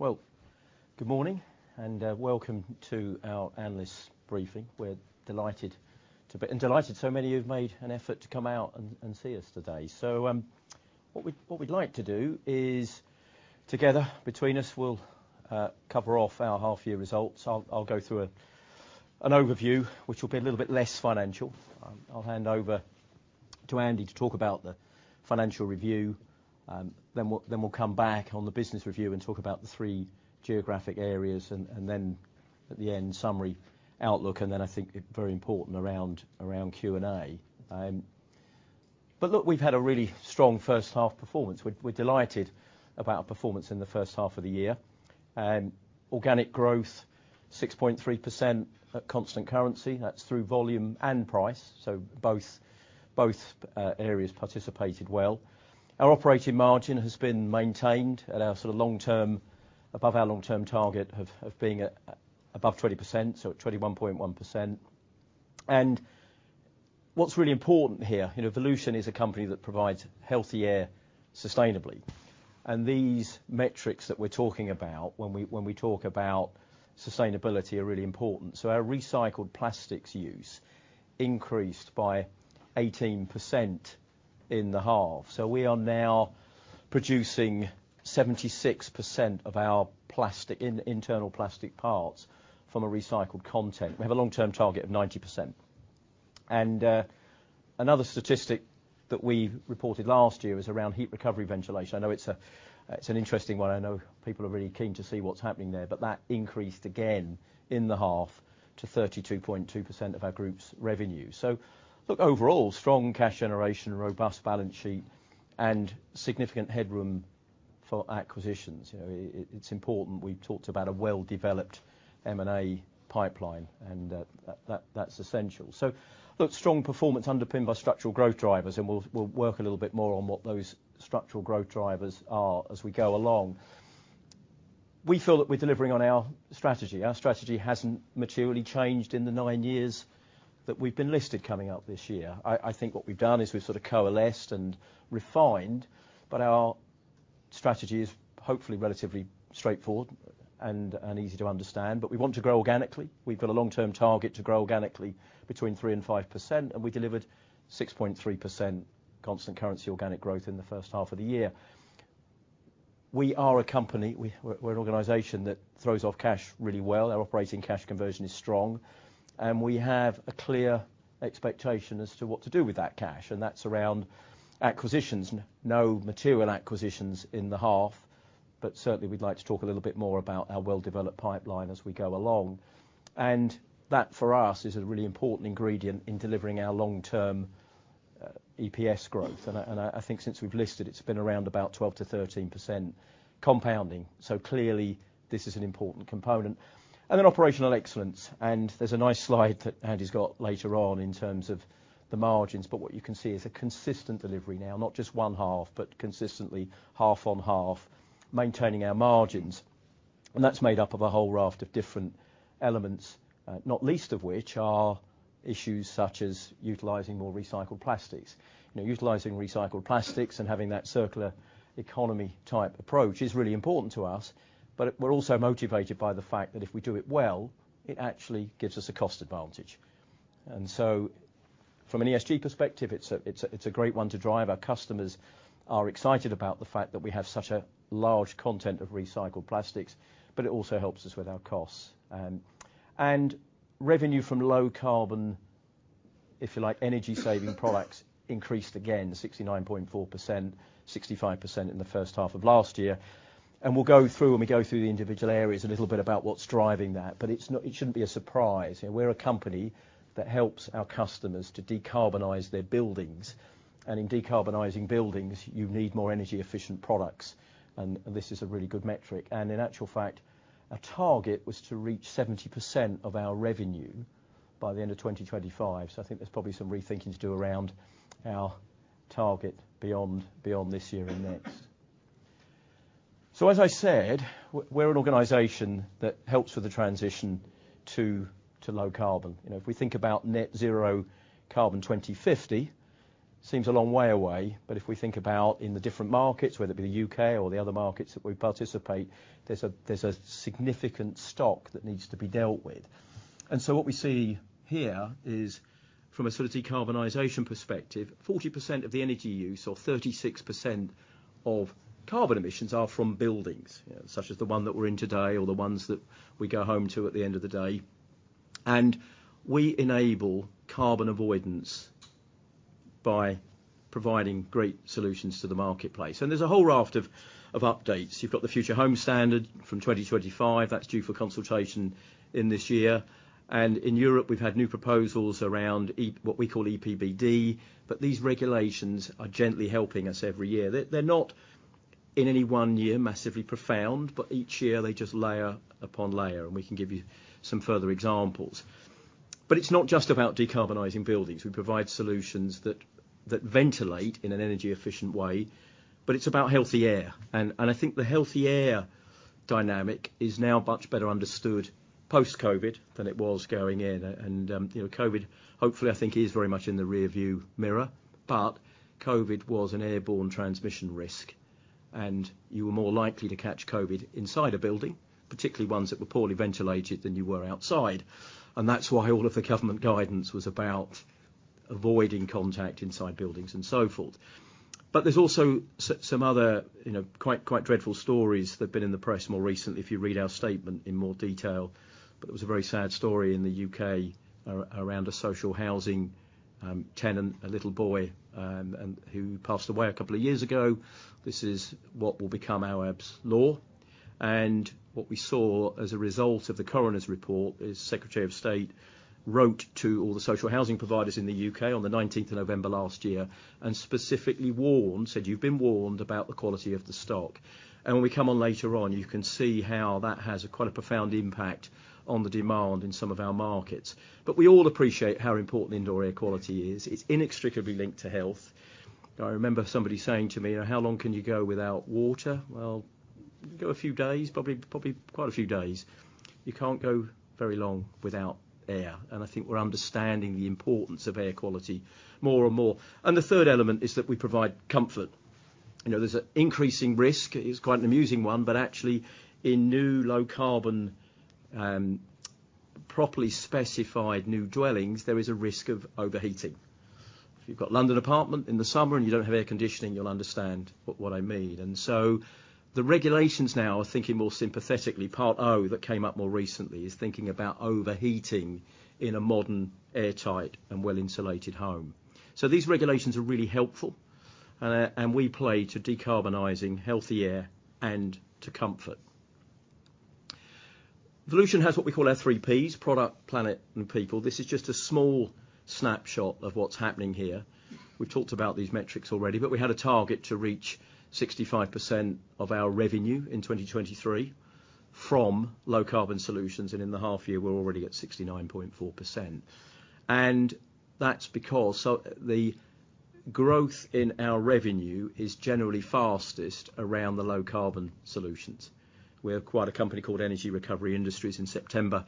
Well, good morning and welcome to our Analyst briefing. We're delighted so many have made an effort to come out and see us today. What we, what we'd like to do is together between us, we'll cover off our half year results. I'll go through an overview, which will be a little bit less financial. I'll hand over to Andy to talk about the financial review, then we'll come back on the business review and talk about the three geographic areas and then at the end, summary outlook, and then I think very important around Q&A. Look, we've had a really strong first half performance. We're delighted about our performance in the first half of the year. Organic growth, 6.3% at constant currency. That's through volume and price, so both areas participated well. Our operating margin has been maintained at our sort of long term, above our long term target of being at above 20%, so at 21.1%. What's really important here, you know, Volution is a company that provides healthy air sustainably, and these metrics that we're talking about when we talk about sustainability are really important. So our recycled plastics use increased by 18% in the half, so we are now producing 76% of our plastic, in internal plastic parts from a recycled content. We have a long-term target of 90%. Another statistic that we reported last year was around heat recovery ventilation. I know it's an interesting one. I know people are really keen to see what's happening there, but that increased again in the half to 32.2% of our group's revenue. Look, overall, strong cash generation, robust balance sheet, and significant headroom for acquisitions. You know, it's important we've talked about a well-developed M&A pipeline, and that's essential. Look, strong performance underpinned by structural growth drivers, and we'll work a little bit more on what those structural growth drivers are as we go along. We feel that we're delivering on our strategy. Our strategy hasn't materially changed in the nine years that we've been listed coming up this year. I think what we've done is we've sort of coalesced and refined, but our strategy is hopefully relatively straightforward and easy to understand. We want to grow organically. We've got a long-term target to grow organically between 3% and 5%, and we delivered 6.3% constant currency organic growth in the first half of the year. We are a company, we're an organization that throws off cash really well. Our operating cash conversion is strong, and we have a clear expectation as to what to do with that cash, and that's around acquisitions. No material acquisitions in the half, but certainly we'd like to talk a little bit more about our well-developed pipeline as we go along. That, for us, is a really important ingredient in delivering our long-term EPS growth. I, and I think since we've listed, it's been around about 12% to 13% compounding. Clearly this is an important component. Operational excellence. There's a nice slide that Andy's got later on in terms of the margins, but what you can see is a consistent delivery now, not just one half, but consistently half on half, maintaining our margins. That's made up of a whole raft of different elements, not least of which are issues such as utilizing more recycled plastics. You know, utilizing recycled plastics and having that circular economy type approach is really important to us, but we're also motivated by the fact that if we do it well, it actually gives us a cost advantage. From an ESG perspective, it's a great one to drive. Our customers are excited about the fact that we have such a large content of recycled plastics, but it also helps us with our costs. Revenue from low carbon, if you like, energy saving products increased again, 69.4%, 65% in the first half of last year. We'll go through, when we go through the individual areas a little bit about what's driving that, it shouldn't be a surprise. You know, we're a company that helps our customers to decarbonize their buildings. In decarbonizing buildings, you need more energy efficient products, and this is a really good metric. In actual fact, our target was to reach 70% of our revenue by the end of 2025. I think there's probably some rethinking to do around our target beyond this year and next. As I said, we're an organization that helps with the transition to low carbon. You know, if we think about net zero carbon 2050, seems a long way away. If we think about in the different markets, whether it be the U.K. or the other markets that we participate, there's a significant stock that needs to be dealt with. What we see here is from a sort of decarbonization perspective, 40% of the energy use or 36% of carbon emissions are from buildings, such as the one that we're in today or the ones that we go home to at the end of the day. We enable carbon avoidance by providing great solutions to the marketplace. There's a whole raft of updates. You've got the Future Homes Standard from 2025. That's due for consultation in this year. In Europe, we've had new proposals around what we call EPBD. These regulations are gently helping us every year. They're not in any one year massively profound. Each year they just layer upon layer. We can give you some further examples. It's not just about decarbonizing buildings. We provide solutions that ventilate in an energy efficient way. It's about healthy air. I think the healthy air dynamic is now much better understood post-COVID than it was going in. You know COVID hopefully, I think, is very much in the rearview mirror. COVID was an airborne transmission risk. You were more likely to catch COVID inside a building, particularly ones that were poorly ventilated than you were outside. That's why all of the government guidance was about avoiding contact inside buildings and so forth. There's also some other, you know, quite dreadful stories that have been in the press more recently, if you read our statement in more detail. It was a very sad story in the U.K. around a social housing tenant, a little boy, and who passed away two years ago. This is what will become our Awaab's Law. What we saw as a result of the coroner's report is Secretary of State wrote to all the social housing providers in the U.K. on November 19th last year and specifically warned, said, "You've been warned about the quality of the stock." When we come on later on, you can see how that has quite a profound impact on the demand in some of our markets. We all appreciate how important indoor air quality is. It's inextricably linked to health. I remember somebody saying to me, "How long can you go without water?" Well, you can go a few days, probably quite a few days. You can't go very long without air. I think we're understanding the importance of air quality more and more. The third element is that we provide comfort. You know, there's an increasing risk. It's quite an amusing one, but actually, in new low carbon, properly specified new dwellings, there is a risk of overheating. If you've got London apartment in the summer and you don't have air conditioning, you'll understand what I mean. The regulations now are thinking more sympathetically. Part O that came up more recently is thinking about overheating in a modern, airtight and well-insulated home. These regulations are really helpful, and we play to decarbonizing healthy air and to comfort. Volution has what we call our three Ps, product, planet, and people. This is just a small snapshot of what's happening here. We've talked about these metrics already, but we had a target to reach 65% of our revenue in 2023 from low carbon solutions, and in the half year, we're already at 69.4%. That's because the growth in our revenue is generally fastest around the low carbon solutions. We acquired a company called Energy Recovery Industries in September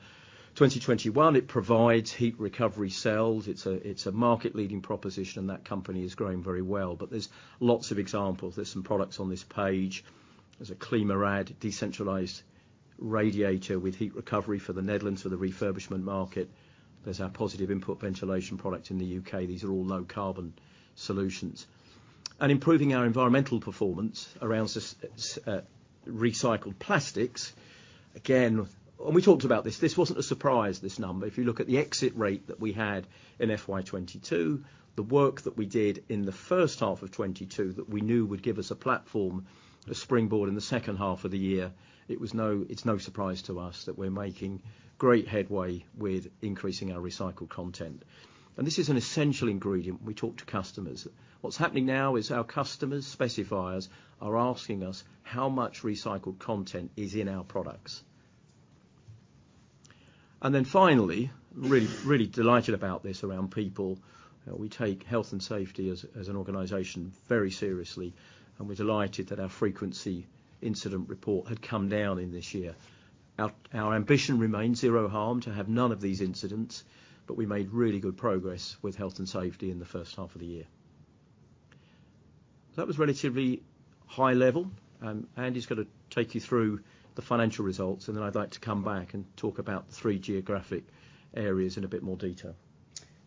2021. It provides heat recovery cells. It's a, it's a market-leading proposition. That company is growing very well. There's lots of examples. There's some products on this page. There's a ClimaRad decentralized radiator with heat recovery for the Netherlands, for the refurbishment market. There's our positive input ventilation product in the U.K. These are all low carbon solutions. Improving our environmental performance around recycled plastics, again, and we talked about this. This wasn't a surprise, this number. If you look at the exit rate that we had in FY 2022, the work that we did in the first half of 2022 that we knew would give us a platform, a springboard in the second half of the year, it's no surprise to us that we're making great headway with increasing our recycled content. This is an essential ingredient when we talk to customers. What's happening now is our customers, specifiers are asking us how much recycled content is in our products. Finally, really delighted about this around people. We take health and safety as an organization very seriously, and we're delighted that our frequency incident report had come down in this year. Our ambition remains zero harm to have none of these incidents, but we made really good progress with health and safety in the first half of the year. That was relatively high level. Andy is gonna take you through the financial results, and then I'd like to come back and talk about the three geographic areas in a bit more detail.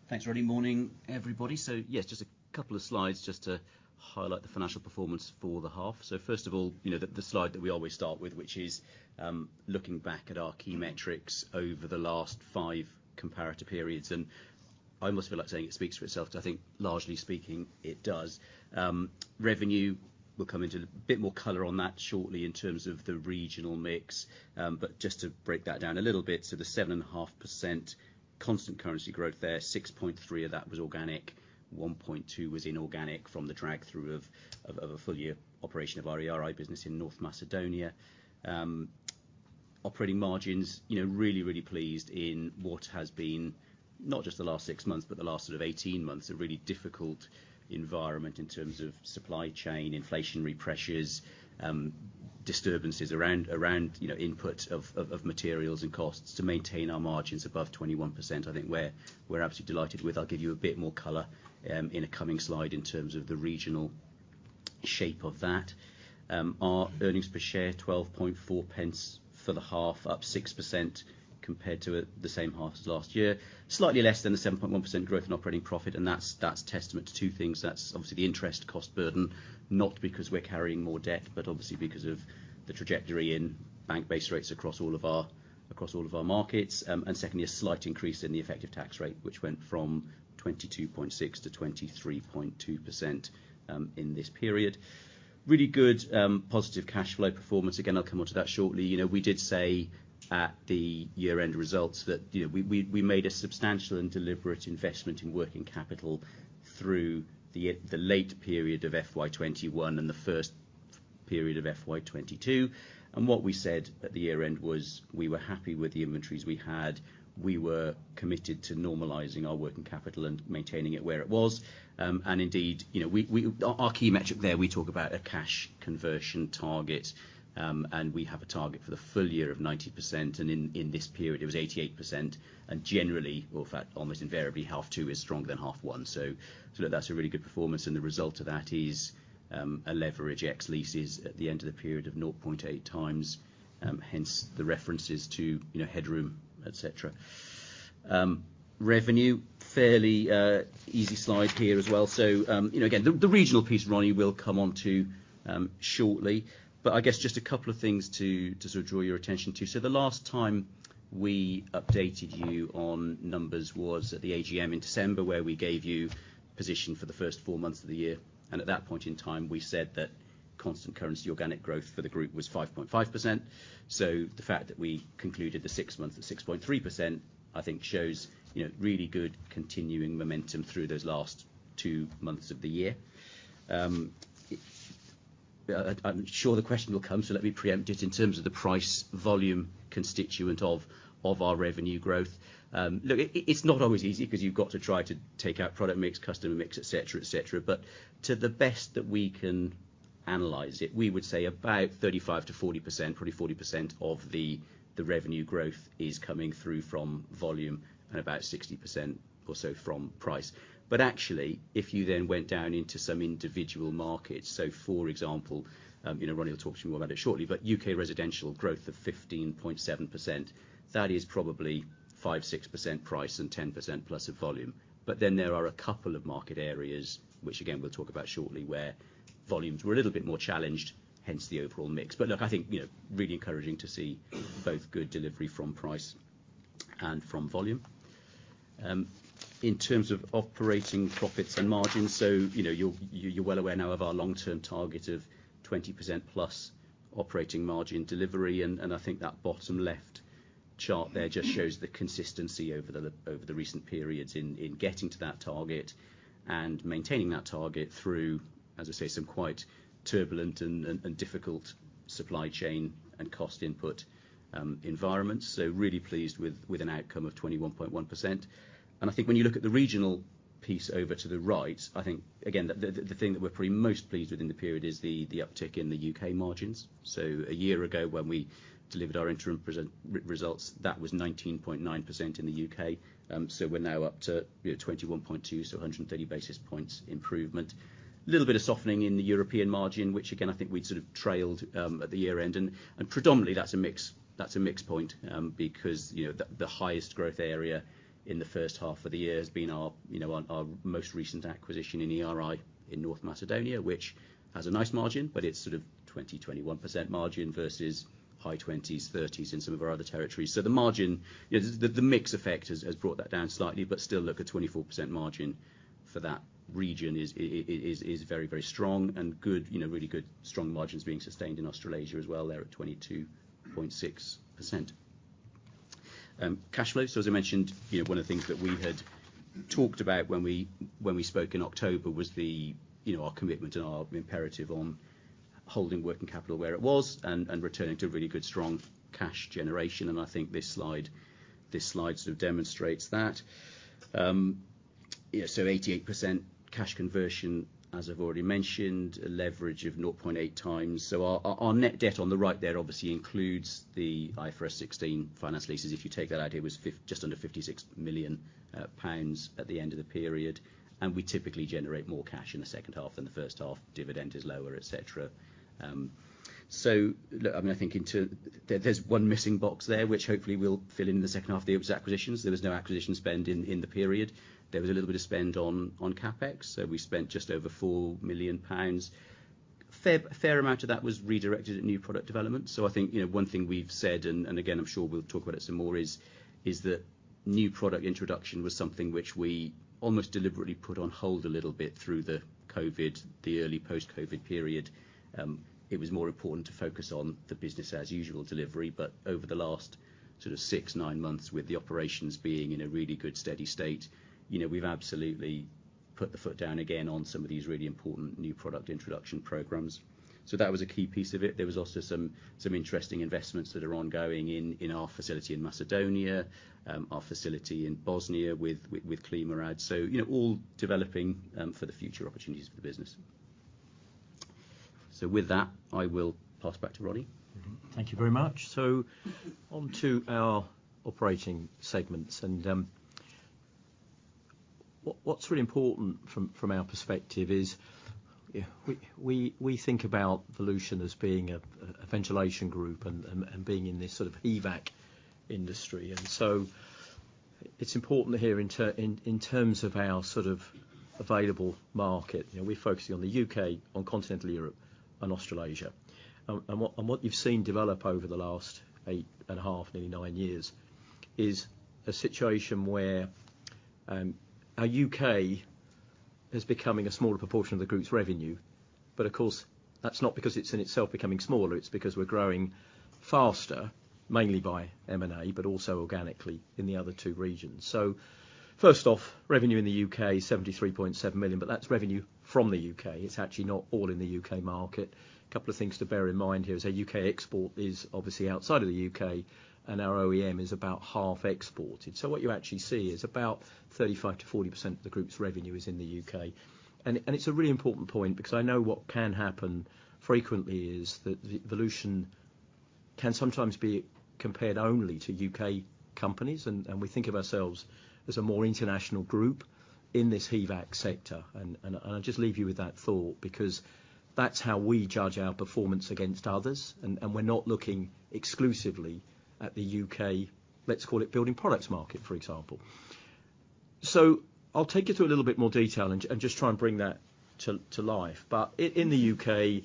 Thanks, Ronnie. Morning, everybody. Yes, just a couple of slides just to highlight the financial performance for the half. First of all, you know, the slide that we always start with, which is looking back at our key metrics over the last five comparator periods. I almost feel like saying it speaks for itself. I think largely speaking, it does. Revenue, we'll come into the bit more color on that shortly in terms of the regional mix. Just to break that down a little bit. The 7.5% constant currency growth there, 6.3% of that was organic, 1.2% was inorganic from the drag through of a full year operation of our ERI business in North Macedonia. Operating margins, you know, really, really pleased in what has been not just the last six months, but the last sort of 18 months, a really difficult environment in terms of supply chain, inflationary pressures, disturbances around, you know, input of, of materials and costs to maintain our margins above 21%. I think we're absolutely delighted with. I'll give you a bit more color in a coming slide in terms of the regional shape of that. Our earnings per share, 0.124 for the half, up 6% compared to it the same half as last year. Slightly less than the 7.1% growth in operating profit, and that's testament to two things. That's obviously the interest cost burden, not because we're carrying more debt, but obviously because of the trajectory in bank base rates across all of our, across all of our markets. Secondly, a slight increase in the effective tax rate, which went from 22.6% to 23.2% in this period. Really good, positive cash flow performance. Again, I'll come on to that shortly. You know, we did say at the year-end results that, you know, we made a substantial and deliberate investment in working capital through the late period of FY 2021 and the first period of FY 2022. What we said at the year-end was we were happy with the inventories we had. We were committed to normalizing our working capital and maintaining it where it was. Indeed, you know, our key metric there, we talk about a cash conversion target, and we have a target for the full year of 90%. In this period, it was 88%. Generally, well, in fact, almost invariably, half two is stronger than half one. Look, that's a really good performance, and the result of that is a leverage X leases at the end of the period of 0.8x, hence the references to, you know, headroom, et cetera. Revenue, fairly easy slide here as well. You know, again, the regional piece Ronnie will come onto shortly, but I guess just a couple of things to sort of draw your attention to. The last time we updated you on numbers was at the AGM in December, where we gave you position for the first four months of the year, and at that point in time, we said that constant currency organic growth for the group was 5.5%. The fact that we concluded the six months at 6.3%, I think shows, you know, really good continuing momentum through those last two months of the year. I'm sure the question will come, so let me preempt it. In terms of the price volume constituent of our revenue growth. Look, it's not always easy because you've got to try to take out product mix, customer mix, et cetera, et cetera. To the best that we can analyze it, we would say about 35% to 40%, probably 40% of the revenue growth is coming through from volume and about 60% or so from price. Actually, if you then went down into some individual markets, so for example, you know, Ronnie will talk to you more about it shortly, U.K. residential growth of 15.7%, that is probably 5%, 6% price and 10%+ of volume. There are a couple of market areas which, again, we'll talk about shortly, where volumes were a little bit more challenged, hence the overall mix. Look, I think, you know, really encouraging to see both good delivery from price and from volume. In terms of operating profits and margins, you know, you're well aware now of our long-term target of 20% plus operating margin delivery, and I think that bottom left chart there just shows the consistency over the recent periods in getting to that target and maintaining that target through, as I say, some quite turbulent and difficult supply chain and cost input environments. Really pleased with an outcome of 21.1%. I think when you look at the regional piece over to the right, I think again the thing that we're probably most pleased with in the period is the uptick in the U.K. margins. A year ago, when we delivered our interim results, that was 19.9% in the U.K.. We're now up to, you know, 21.2%, 130 basis points improvement. Little bit of softening in the European margin, which again, I think we'd sort of trailed at the year-end. Predominantly that's a mix, that's a mix point, because, you know, the highest growth area in the first half of the year has been our, you know, most recent acquisition in ERI in North Macedonia, which has a nice margin, but it's sort of 20% to 21% margin versus high 20s%, 30s% in some of our other territories. The margin, you know, the mix effect has brought that down slightly, but still look a 24% margin for that region is very strong and good, you know, really good, strong margins being sustained in Australasia as well there at 22.6%. Cash flows. As I mentioned, you know, one of the things that we had talked about when we spoke in October was the, you know, our commitment and our imperative on holding working capital where it was and returning to really good, strong cash generation. I think this slide sort of demonstrates that. 88% cash conversion, as I've already mentioned, a leverage of 0.8x. Our net debt on the right there obviously includes the IFRS 16 finance leases. If you take that out, it was just under 56 million pounds at the end of the period. We typically generate more cash in the second half than the first half. Dividend is lower, et cetera. Look, I mean, I think there's one missing box there which hopefully we'll fill in the second half of the year, was acquisitions. There was no acquisition spend in the period. There was a little bit of spend on CapEx. We spent just over 4 million pounds. Fair amount of that was redirected at new product development. I think, you know, one thing we've said, and again, I'm sure we'll talk about it some more, is that new product introduction was something which we almost deliberately put on hold a little bit through the COVID, the early post-COVID period. It was more important to focus on the business as usual delivery. Over the last sort of six, nine months, with the operations being in a really good, steady state, you know, we've absolutely put the foot down again on some of these really important new product introduction programs. That was a key piece of it. There was also some interesting investments that are ongoing in our facility in Macedonia, our facility in Bosnia with ClimaRad. You know, all developing for the future opportunities for the business. With that, I will pass back to Ronnie. Thank you very much. On to our operating segments, and what's really important from our perspective is, you know, we think about Volution as being a ventilation group and being in this sort of HVAC industry. It's important here in terms of our sort of available market, you know, we're focusing on the U.K., on Continental Europe and Australasia. What you've seen develop over the last eight and a half, nearly nine years, is a situation where our U.K. is becoming a smaller proportion of the group's revenue. Of course, that's not because it's in itself becoming smaller. It's because we're growing faster, mainly by M&A, but also organically in the other two regions. First off, revenue in the U.K., 73.7 million, but that's revenue from the U.K.. It's actually not all in the U.K. market. Couple of things to bear in mind here is our U.K. export is obviously outside of the U.K., and our OEM is about half exported. What you actually see is about 35% to 40% of the group's revenue is in the U.K. It's a really important point because I know what can happen frequently is that Volution can sometimes be compared only to U.K. companies and we think of ourselves as a more international group in this HVAC sector. I'll just leave you with that thought, because that's how we judge our performance against others, and we're not looking exclusively at the U.K., let's call it building products market, for example. I'll take you through a little bit more detail and just try and bring that to life. In the U.K.,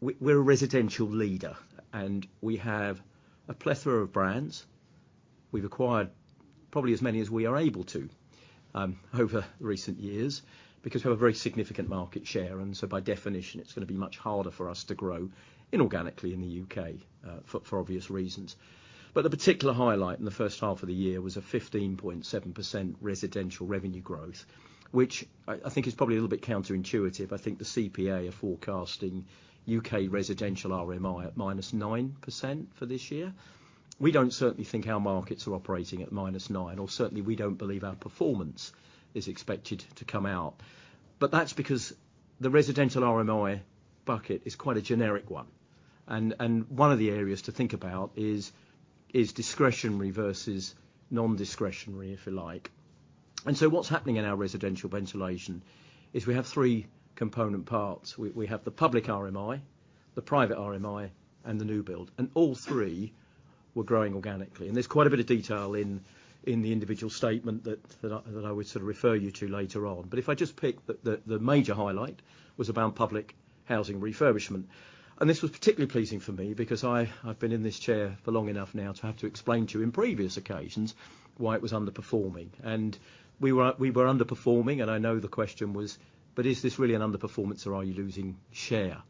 we're a residential leader and we have a plethora of brands. We've acquired probably as many as we are able to over recent years because we have a very significant market share, and so by definition, it's gonna be much harder for us to grow inorganically in the U.K. for obvious reasons. The particular highlight in the first half of the year was a 15.7% residential revenue growth, which I think is probably a little bit counterintuitive. I think the CPA are forecasting U.K. residential RMI at -9% for this year. We don't certainly think our markets are operating at -9%, or certainly we don't believe our performance is expected to come out. That's because the residential RMI bucket is quite a generic one. One of the areas to think about is discretionary versus non-discretionary, if you like. What's happening in our residential ventilation is we have three component parts. We have the public RMI, the private RMI, and the new build, and all three were growing organically. There's quite a bit of detail in the individual statement that I would sort of refer you to later on. If I just pick the major highlight was around public housing refurbishment. This was particularly pleasing for me because I have been in this chair for long enough now to have to explain to you in previous occasions why it was underperforming. We were underperforming, and I know the question was, but is this really an underperformance or are you losing share?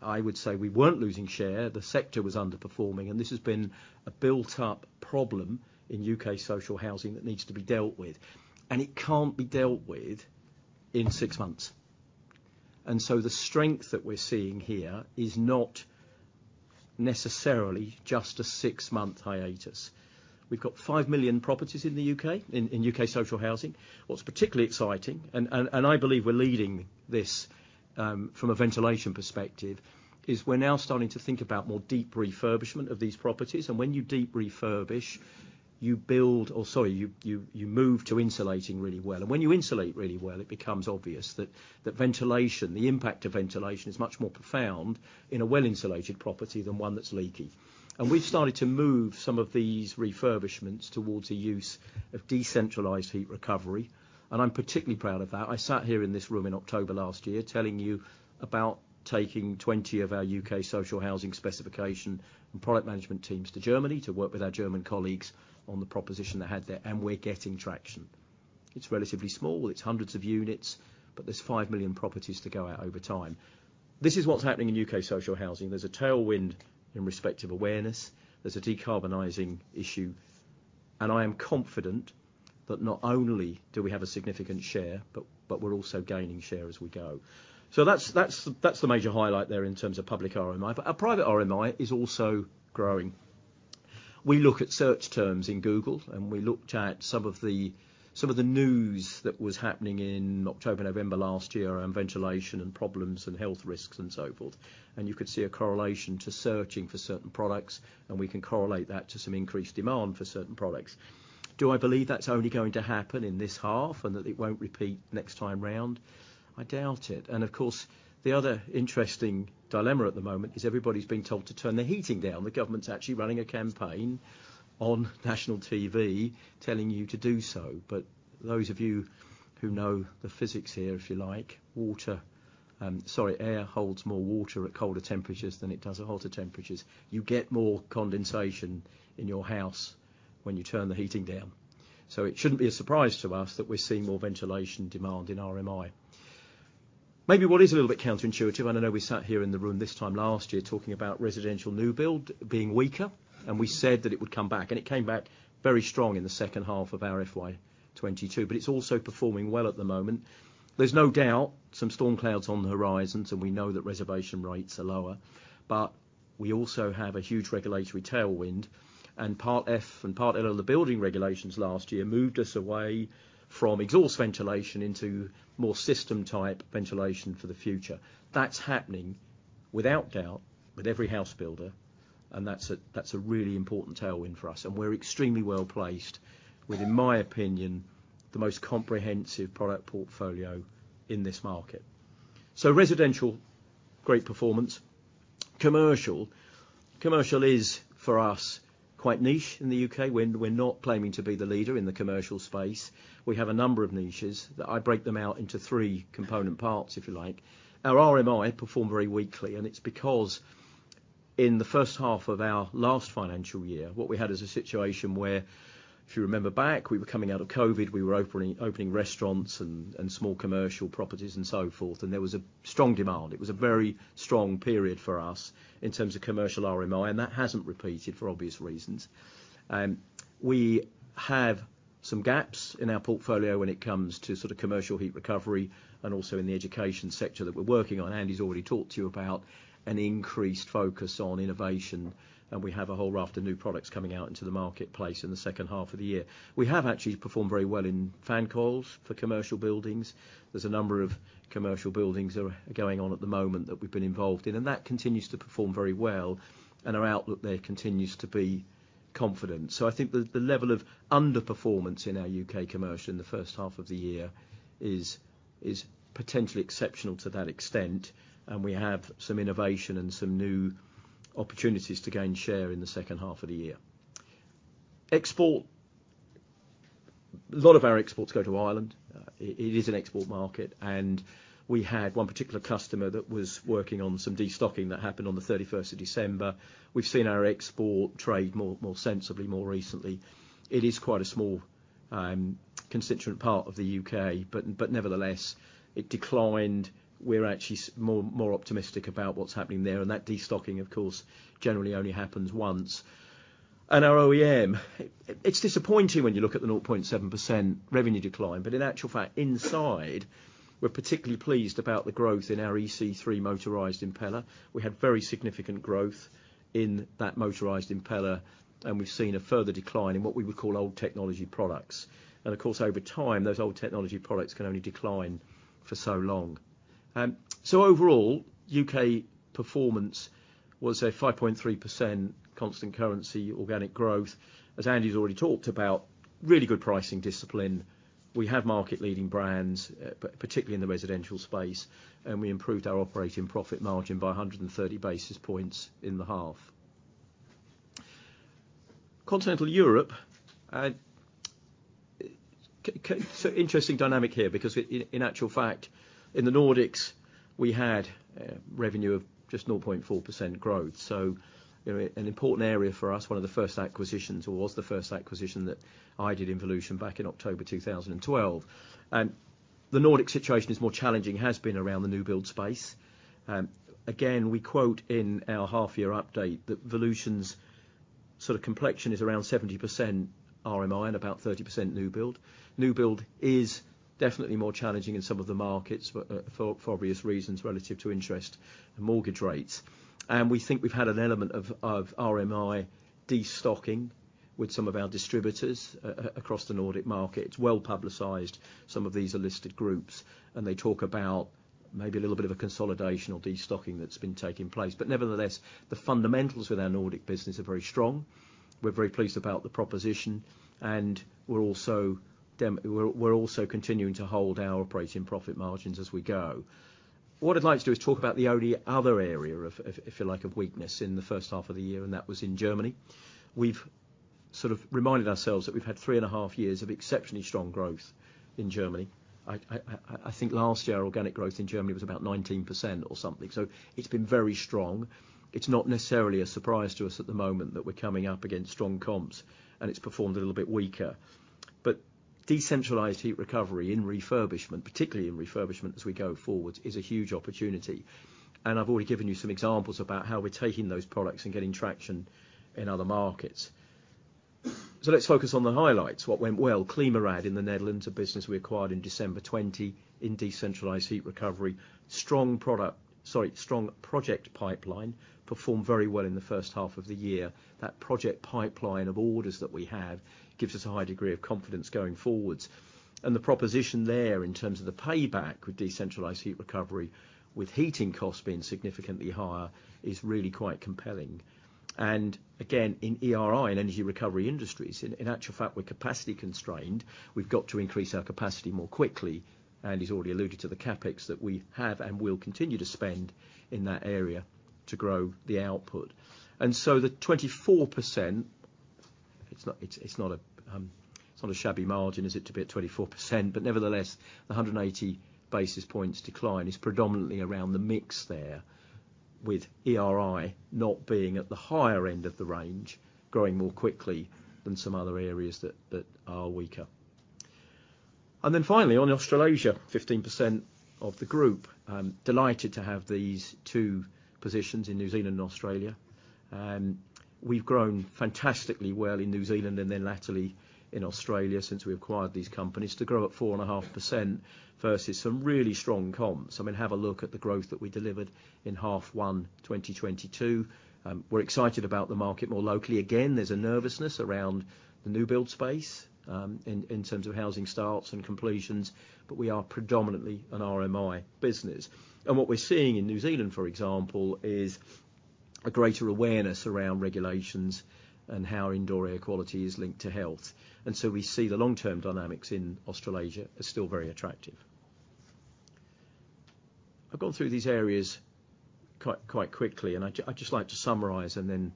I would say we weren't losing share, the sector was underperforming. This has been a built-up problem in U.K. social housing that needs to be dealt with. It can't be dealt with in six months. The strength that we're seeing here is not necessarily just a six-month hiatus. We've got 5 million properties in the U.K., in U.K. social housing. What's particularly exciting, and I believe we're leading this from a ventilation perspective, is we're now starting to think about more deep refurbishment of these properties. When you deep refurbish, you move to insulating really well. When you insulate really well, it becomes obvious that ventilation, the impact of ventilation is much more profound in a well-insulated property than one that's leaky. We've started to move some of these refurbishments towards the use of decentralized heat recovery. I'm particularly proud of that. I sat here in this room in October last year telling you about taking 20 of our U.K. social housing specification and product management teams to Germany to work with our German colleagues on the proposition they had there. We're getting traction. It's relatively small, it's hundreds of units, but there's 5 million properties to go out over time. This is what's happening in U.K. social housing. There's a tailwind in respect of awareness, there's a decarbonizing issue. I am confident that not only do we have a significant share, but we're also gaining share as we go. That's the major highlight there in terms of public RMI. Our private RMI is also growing. We look at search terms in Google, and we looked at some of the news that was happening in October, November last year around ventilation and problems and health risks and so forth. You could see a correlation to searching for certain products, and we can correlate that to some increased demand for certain products. Do I believe that's only going to happen in this half and that it won't repeat next time around? I doubt it. Of course, the other interesting dilemma at the moment is everybody's being told to turn their heating down. The government's actually running a campaign on national TV telling you to do so. Those of you who know the physics here, if you like, water, sorry, air holds more water at colder temperatures than it does at hotter temperatures. You get more condensation in your house when you turn the heating down. It shouldn't be a surprise to us that we're seeing more ventilation demand in RMI. Maybe what is a little bit counterintuitive, and I know we sat here in the room this time last year talking about residential new build being weaker, and we said that it would come back, and it came back very strong in the second half of our FY 2022, but it's also performing well at the moment. There's no doubt some storm clouds on the horizon, and we know that reservation rates are lower, but we also have a huge regulatory tailwind, and Part F and Part L of the building regulations last year moved us away from exhaust ventilation into more system-type ventilation for the future. That's happening without doubt with every house builder, and that's a, that's a really important tailwind for us. We're extremely well-placed with, in my opinion, the most comprehensive product portfolio in this market. Residential. Great performance. Commercial. Commercial is, for us, quite niche in the U.K. We're, we're not claiming to be the leader in the commercial space. We have a number of niches that I break them out into three component parts, if you like. Our RMI performed very weakly, and it's because in the first half of our last financial year, what we had is a situation where, if you remember back, we were coming out of COVID, we were opening restaurants and small commercial properties and so forth, and there was a strong demand. It was a very strong period for us in terms of commercial RMI. That hasn't repeated for obvious reasons. We have, some gaps in our portfolio when it comes to sort of commercial heat recovery and also in the education sector that we're working on. Andy's already talked to you about an increased focus on innovation. We have a whole raft of new products coming out into the marketplace in the second half of the year. We have actually performed very well in fan coils for commercial buildings. There's a number of commercial buildings that are going on at the moment that we've been involved in. That continues to perform very well. Our outlook there continues to be confident. I think the level of underperformance in our U.K. commercial in the first half of the year is potentially exceptional to that extent, and we have some innovation and some new opportunities to gain share in the second half of the year. Export. A lot of our exports go to Ireland. It is an export market, and we had one particular customer that was working on some destocking that happened on the December 31st. We've seen our export trade more sensibly more recently. It is quite a small constituent part of the U.K., but nevertheless, it declined. We're actually more optimistic about what's happening there, and that destocking, of course, generally only happens once. Our OEM, it's disappointing when you look at the 0.7% revenue decline, but in actual fact, inside, we're particularly pleased about the growth in our EC3 motorized impeller. We had very significant growth in that motorized impeller, and we've seen a further decline in what we would call old technology products. Of course, over time, those old technology products can only decline for so long. Overall, U.K. performance was a 5.3% constant currency, organic growth. As Andy's already talked about, really good pricing discipline. We have market-leading brands, particularly in the residential space, and we improved our operating profit margin by 130 basis points in the half. Continental Europe, interesting dynamic here because in actual fact, in the Nordics, we had revenue of just 0.4% growth. You know, an important area for us, one of the first acquisitions, or was the first acquisition that I did in Volution back in October 2012. The Nordic situation is more challenging, has been around the new build space. Again, we quote in our half year update that Volution's sort of complexion is around 70% RMI and about 30% new build. New build is definitely more challenging in some of the markets for obvious reasons relative to interest and mortgage rates. We think we've had an element of RMI destocking with some of our distributors across the Nordic market. It's well-publicized. Some of these are listed groups, and they talk about maybe a little bit of a consolidation or destocking that's been taking place. Nevertheless, the fundamentals with our Nordic business are very strong. We're very pleased about the proposition. We're also continuing to hold our operating profit margins as we go. What I'd like to do is talk about the only other area of, if you like, of weakness in the first half of the year. That was in Germany. We've sort of reminded ourselves that we've had three and a half years of exceptionally strong growth in Germany. I think last year, organic growth in Germany was about 19% or something. It's been very strong. It's not necessarily a surprise to us at the moment that we're coming up against strong comps. It's performed a little bit weaker. Decentralized heat recovery in refurbishment, particularly in refurbishment as we go forward, is a huge opportunity. I've already given you some examples about how we're taking those products and getting traction in other markets. Let's focus on the highlights. What went well? ClimaRad in the Netherlands, a business we acquired in December 2020 in decentralized heat recovery. Strong project pipeline performed very well in the first half of the year. That project pipeline of orders that we have gives us a high degree of confidence going forwards. The proposition there in terms of the payback with decentralized heat recovery, with heating costs being significantly higher, is really quite compelling. Again, in ERI, in Energy Recovery Industries, in actual fact, we're capacity constrained. We've got to increase our capacity more quickly. Andy's already alluded to the CapEx that we have and will continue to spend in that area to grow the output. The 24%, it's not a shabby margin, is it, to be at 24%? The 180 basis points decline is predominantly around the mix there, with ERI not being at the higher end of the range, growing more quickly than some other areas that are weaker. Finally, on Australasia, 15% of the group, I'm delighted to have these two positions in New Zealand and Australia. We've grown fantastically well in New Zealand and then latterly in Australia since we acquired these companies to grow at 4.5% versus some really strong comps. I mean, have a look at the growth that we delivered in H1 2022. We're excited about the market more locally. Again, there's a nervousness around the new build space in terms of housing starts and completions. We are predominantly an RMI business. What we're seeing in New Zealand, for example, is a greater awareness around regulations and how indoor air quality is linked to health. We see the long-term dynamics in Australasia as still very attractive. I've gone through these areas quite quickly, and I'd just like to summarize and then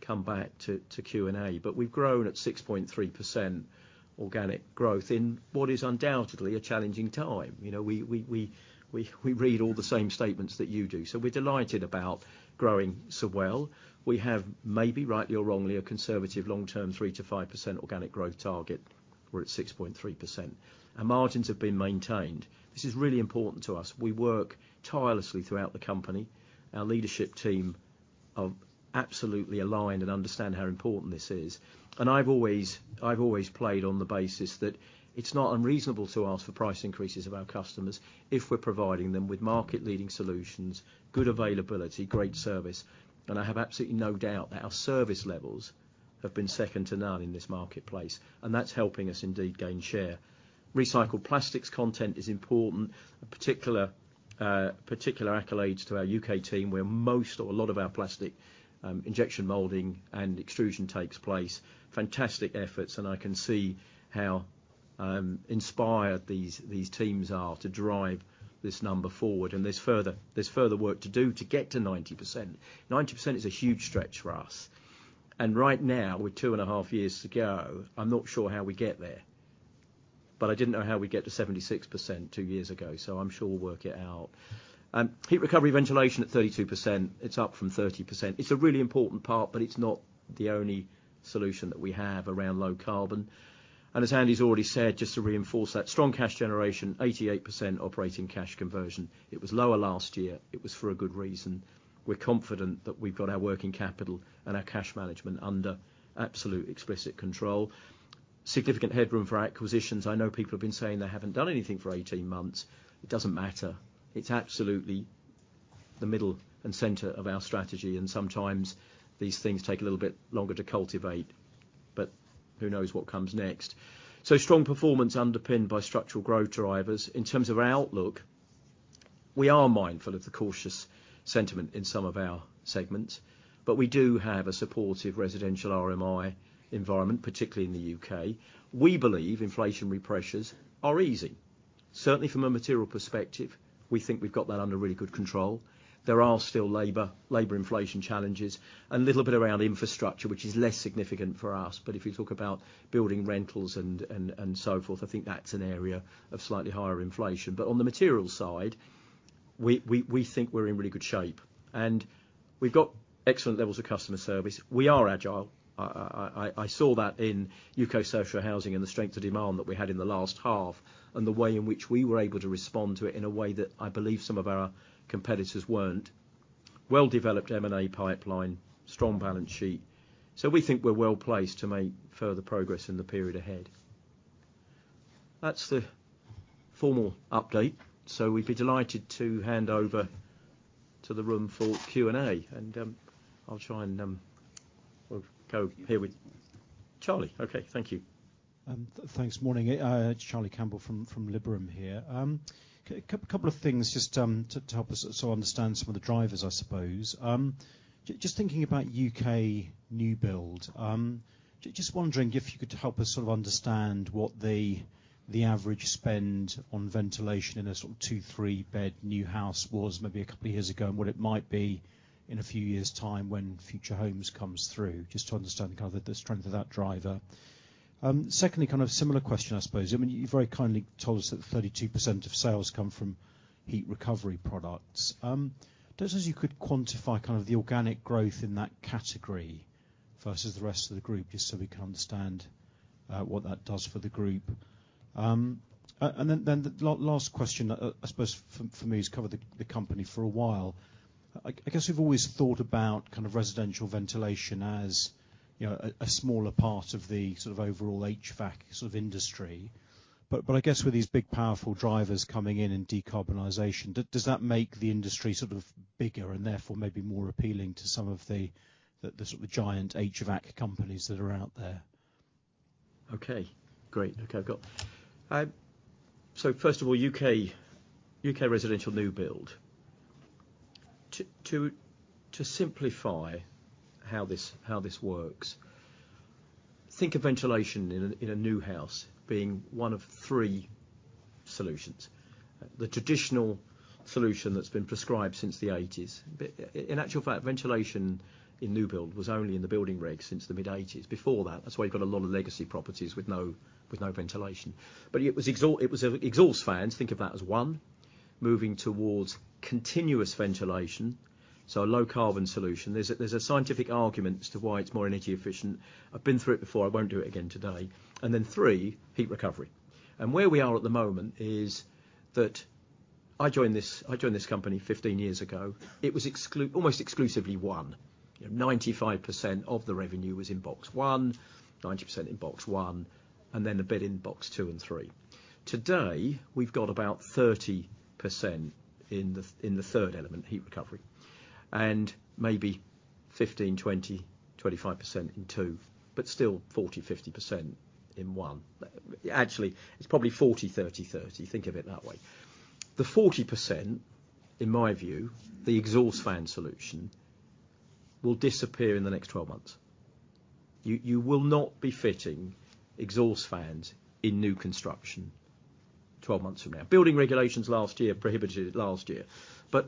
come back to Q&A. We've grown at 6.3% organic growth in what is undoubtedly a challenging time. You know, we read all the same statements that you do. We're delighted about growing so well. We have maybe, rightly or wrongly, a conservative long-term 3% to 5% organic growth target. We're at 6.3%. Our margins have been maintained. This is really important to us. We work tirelessly throughout the company. Our leadership teamOf absolutely aligned and understand how important this is. I've always played on the basis that it's not unreasonable to ask for price increases of our customers if we're providing them with market-leading solutions, good availability, great service. I have absolutely no doubt that our service levels have been second to none in this marketplace, and that's helping us indeed gain share. Recycled plastics content is important. A particular accolades to our UK team, where most or a lot of our plastic injection molding and extrusion takes place. Fantastic efforts, and I can see how inspired these teams are to drive this number forward. There's further work to do to get to 90%. 90% is a huge stretch for us. Right now, with 2.5 years to go, I'm not sure how we get there. I didn't know how we'd get to 76%, 2 years ago, I'm sure we'll work it out. Heat recovery ventilation at 32%, it's up from 30%. It's a really important part, but it's not the only solution that we have around low carbon. As Andy's already said, just to reinforce that, strong cash generation, 88% operating cash conversion. It was lower last year. It was for a good reason. We're confident that we've got our working capital and our cash management under absolute explicit control. Significant headroom for acquisitions. I know people have been saying they haven't done anything for 18 months. It doesn't matter. It's absolutely the middle and center of our strategy, and sometimes these things take a little bit longer to cultivate, but who knows what comes next. Strong performance underpinned by structural growth drivers. In terms of our outlook, we are mindful of the cautious sentiment in some of our segments, but we do have a supportive residential RMI environment, particularly in the U.K.. We believe inflationary pressures are easing. Certainly from a material perspective, we think we've got that under really good control. There are still labor inflation challenges and little bit around infrastructure, which is less significant for us. But if you talk about building rentals and so forth, I think that's an area of slightly higher inflation. But on the material side, we think we're in really good shape. We've got excellent levels of customer service. We are agile. I saw that in U.K. social housing and the strength of demand that we had in the last half and the way in which we were able to respond to it in a way that I believe some of our competitors weren't. Well-developed M&A pipeline, strong balance sheet. We think we're well-placed to make further progress in the period ahead. That's the formal update. We'd be delighted to hand over to the room for Q&A. I'll try and, we'll go here with Charlie. Okay, thank you. Thanks. Morning. It's Charlie Campbell from Liberum here. Couple of things just to help us sort of understand some of the drivers, I suppose. Just thinking about U.K. new build, just wondering if you could help us sort of understand what the average spend on ventilation in a sort of two, three-bed new house was maybe a couple of years ago and what it might be in a few years' time when Future Homes comes through, just to understand kind of the strength of that driver. Secondly, kind of similar question, I suppose. I mean, you've very kindly told us that 32% of sales come from heat recovery products. Just if you could quantify kind of the organic growth in that category versus the rest of the group, just so we can understand what that does for the group. The last question, I suppose for me has covered the company for a while. I guess we've always thought about kind of residential ventilation as, you know, a smaller part of the sort of overall HVAC sort of industry. I guess with these big powerful drivers coming in and decarbonization, does that make the industry sort of bigger and therefore maybe more appealing to some of the sort of giant HVAC companies that are out there? Okay, great. I've got. First of all, U.K., U.K. residential new build. To simplify how this, how this works, think of ventilation in a new house being one of three solutions. The traditional solution that's been prescribed since the 1980s. In actual fact, ventilation in new build was only in the building rig since the mid-1980s. Before that's why you've got a lot of legacy properties with no ventilation. It was exhaust fans, think of that as one, moving towards continuous ventilation, so a low carbon solution. There's a scientific argument as to why it's more energy efficient. I've been through it before. I won't do it again today. Then three, heat recovery. Where we are at the moment is that I joined this company 15 years ago. It was almost exclusively 1. 95% of the revenue was in box one, 90% in box one, and then a bit in box two and three. Today, we've got about 30% in the, in the third element, heat recovery, and maybe 15%, 20%, 25% in two, but still 40%, 50% in one. Actually, it's probably 40/30/30. Think of it that way. The 40%, in my view, the exhaust fan solution, will disappear in the next 12 months. You, you will not be fitting exhaust fans in new construction 12 months from now. Building regulations last year prohibited it last year.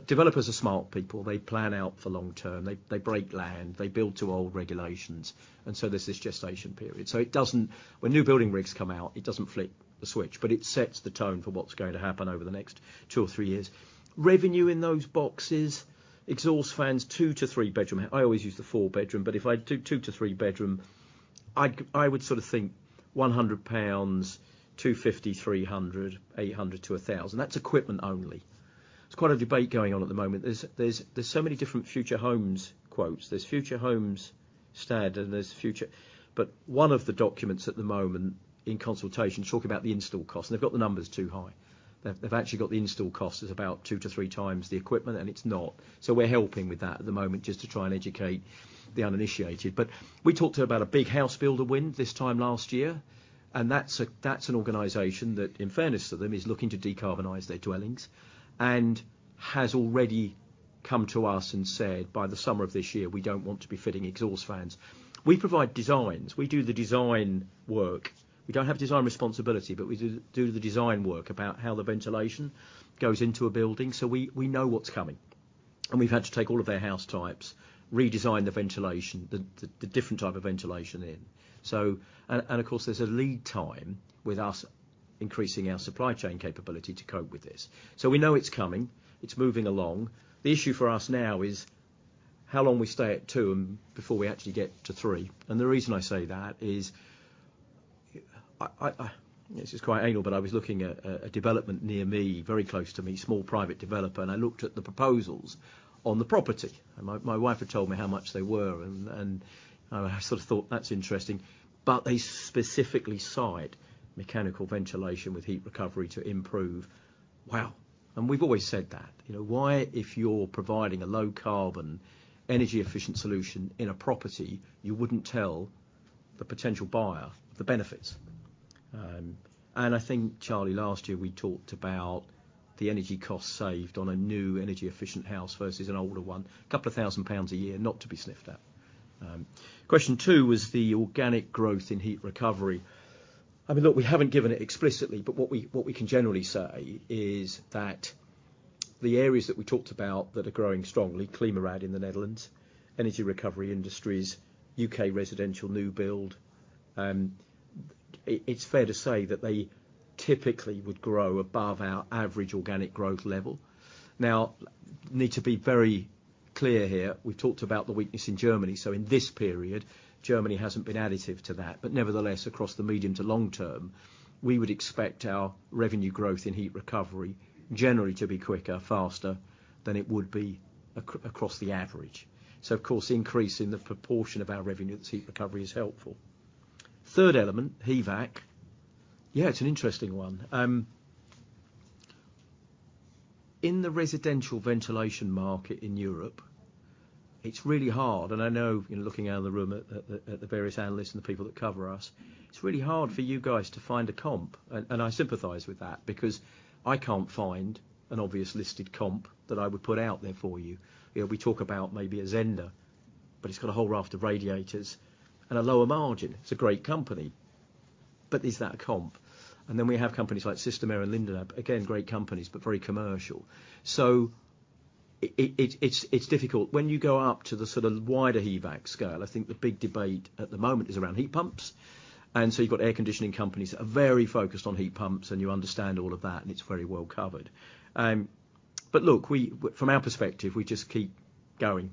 Developers are smart people. They plan out for long term. They, they break land. They build to old regulations. There's this gestation period. It doesn't. When new building regs come out, it doesn't flip the switch, but it sets the tone for what's going to happen over the next two or three years. Revenue in those boxes, exhaust fans, two to three bedroom. I always use the four bedroom, but if I do two to three bedroom, I would sort of think 100 pounds, 250, 300, 800 to 1,000. That's equipment only. There's quite a debate going on at the moment. There's so many different Future Homes quotes. There's Future Homes Standard, and there's. One of the documents at the moment in consultation talk about the install cost, and they've got the numbers too high. They've actually got the install cost as about 2x to 3x the equipment, and it's not. We're helping with that at the moment just to try and educate the uninitiated. We talked about a big house builder win this time last year, and that's an organization that, in fairness to them, is looking to decarbonize their dwellings and has already come to us and said, "By the summer of this year, we don't want to be fitting exhaust fans." We provide designs. We do the design work. We don't have design responsibility, but we do the design work about how the ventilation goes into a building. We know what's coming, and we've had to take all of their house types, redesign the ventilation, the different type of ventilation in. Of course, there's a lead time with us increasing our supply chain capability to cope with this. We know it's coming. It's moving along. The issue for us now is how long we stay at two and before we actually get to three. The reason I say that is, this is quite angled, but I was looking at a development near me, very close to me, small private developer, and I looked at the proposals on the property. My wife had told me how much they were, and I sort of thought, "That's interesting." They specifically cite mechanical ventilation with heat recovery to improve. Wow. We've always said that. You know why, if you're providing a low carbon energy efficient solution in a property, you wouldn't tell the potential buyer the benefits? I think, Charlie, last year we talked about the energy costs saved on a new energy efficient house versus an older one. Couple of 1,000 pounds a year, not to be sniffed at. Question two was the organic growth in heat recovery. I mean, look, we haven't given it explicitly, but what we can generally say is that the areas that we talked about that are growing strongly, ClimaRad in the Netherlands, Energy Recovery Industries, U.K. residential new build, it's fair to say that they typically would grow above our average organic growth level. Need to be very clear here, we talked about the weakness in Germany. In this period, Germany hasn't been additive to that. Nevertheless, across the medium to long term, we would expect our revenue growth in heat recovery generally to be quicker, faster than it would be across the average. Of course, increasing the proportion of our revenue at heat recovery is helpful. Third element, HVAC. Yeah, it's an interesting one. In the residential ventilation market in Europe, it's really hard, and I know, you know, looking out in the room at the various analysts and the people that cover us, it's really hard for you guys to find a comp, and I sympathize with that because I can't find an obvious listed comp that I would put out there for you. You know, we talk about maybe Zehnder, but it's got a whole raft of radiators and a lower margin. It's a great company, but is that a comp? Then we have companies like Systemair and Lindab. Again, great companies, but very commercial. It's difficult. When you go up to the sort of wider HVAC scale, I think the big debate at the moment is around heat pumps. You've got air conditioning companies that are very focused on heat pumps, and you understand all of that, and it's very well covered. Look, from our perspective, we just keep going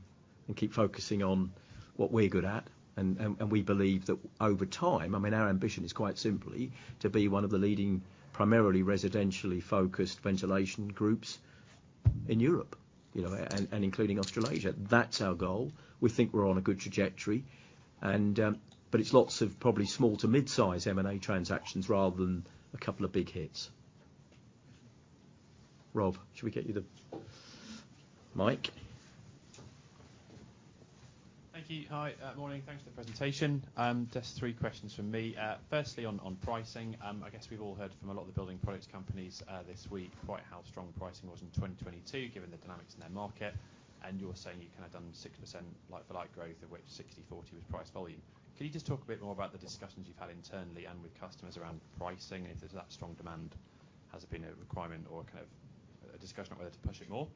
and keep focusing on what we're good at. We believe that over time, I mean, our ambition is quite simply to be one of the leading, primarily residentially focused ventilation groups in Europe, you know, including Australasia. That's our goal. We think we're on a good trajectory and, it's lots of probably small to mid-size M&A transactions rather than a couple of big hits. Rob, should we get you the mic? Thank you. Hi. Morning. Thanks for the presentation. Just three questions from me. Firstly, on pricing, I guess we've all heard from a lot of the building products companies this week quite how strong pricing was in 2022, given the dynamics in their market. You're saying you've kind of done 6% like-for-like growth, of which 60/40 was price volume. Can you just talk a bit more about the discussions you've had internally and with customers around pricing? If there's that strong demand, has there been a requirement or kind of a discussion on whether to push it more?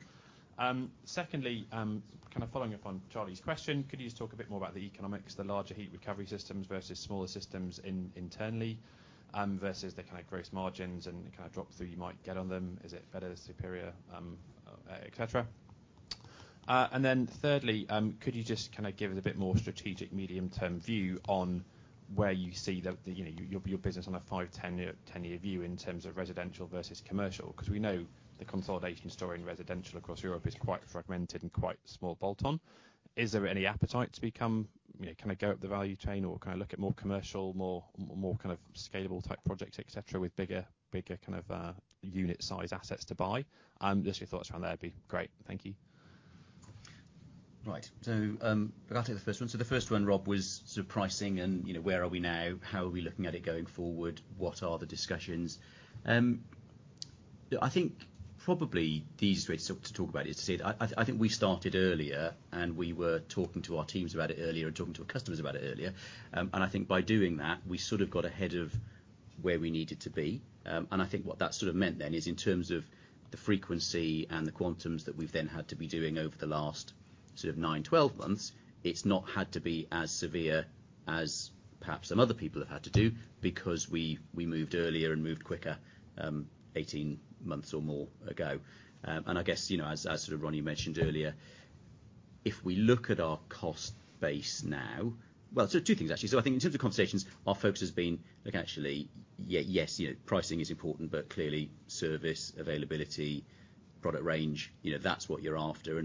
Secondly, kind of following up on Charlie's question, could you just talk a bit more about the economics, the larger heat recovery systems versus smaller systems internally, versus the kind of gross margins and the kind of drop through you might get on them? Is it better, superior, et cetera? Thirdly, could you just kind of give us a bit more strategic medium-term view on where you see the business on a five, 10 year view in terms of residential versus commercial? We know the consolidation story in residential across Europe is quite fragmented and quite small bolt on. Is there any appetite to become, you know, kind of go up the value chain or kind of look at more commercial, more kind of scalable type projects, et cetera, with bigger kind of unit size assets to buy? Just your thoughts around that'd be great. Thank you. Right. I'll take the first one. The first one, Rob, was sort of pricing and, you know, where are we now? How are we looking at it going forward? What are the discussions? I think probably the easiest way to talk about it is to say I think we started earlier, and we were talking to our teams about it earlier and talking to our customers about it earlier. I think by doing that, we sort of got ahead of where we needed to be. I think what that sort of meant then is in terms of the frequency and the quantums that we've then had to be doing over the last sort of nine, 12 months, it's not had to be as severe as perhaps some other people have had to do because we moved earlier and moved quicker, 18 months or more ago. I guess, you know, as sort of Ronnie mentioned earlier If we look at our cost base now. Two things actually. I think in terms of conversations, our focus has been, yes, you know, pricing is important, but clearly service, availability, product range, you know, that's what you're after.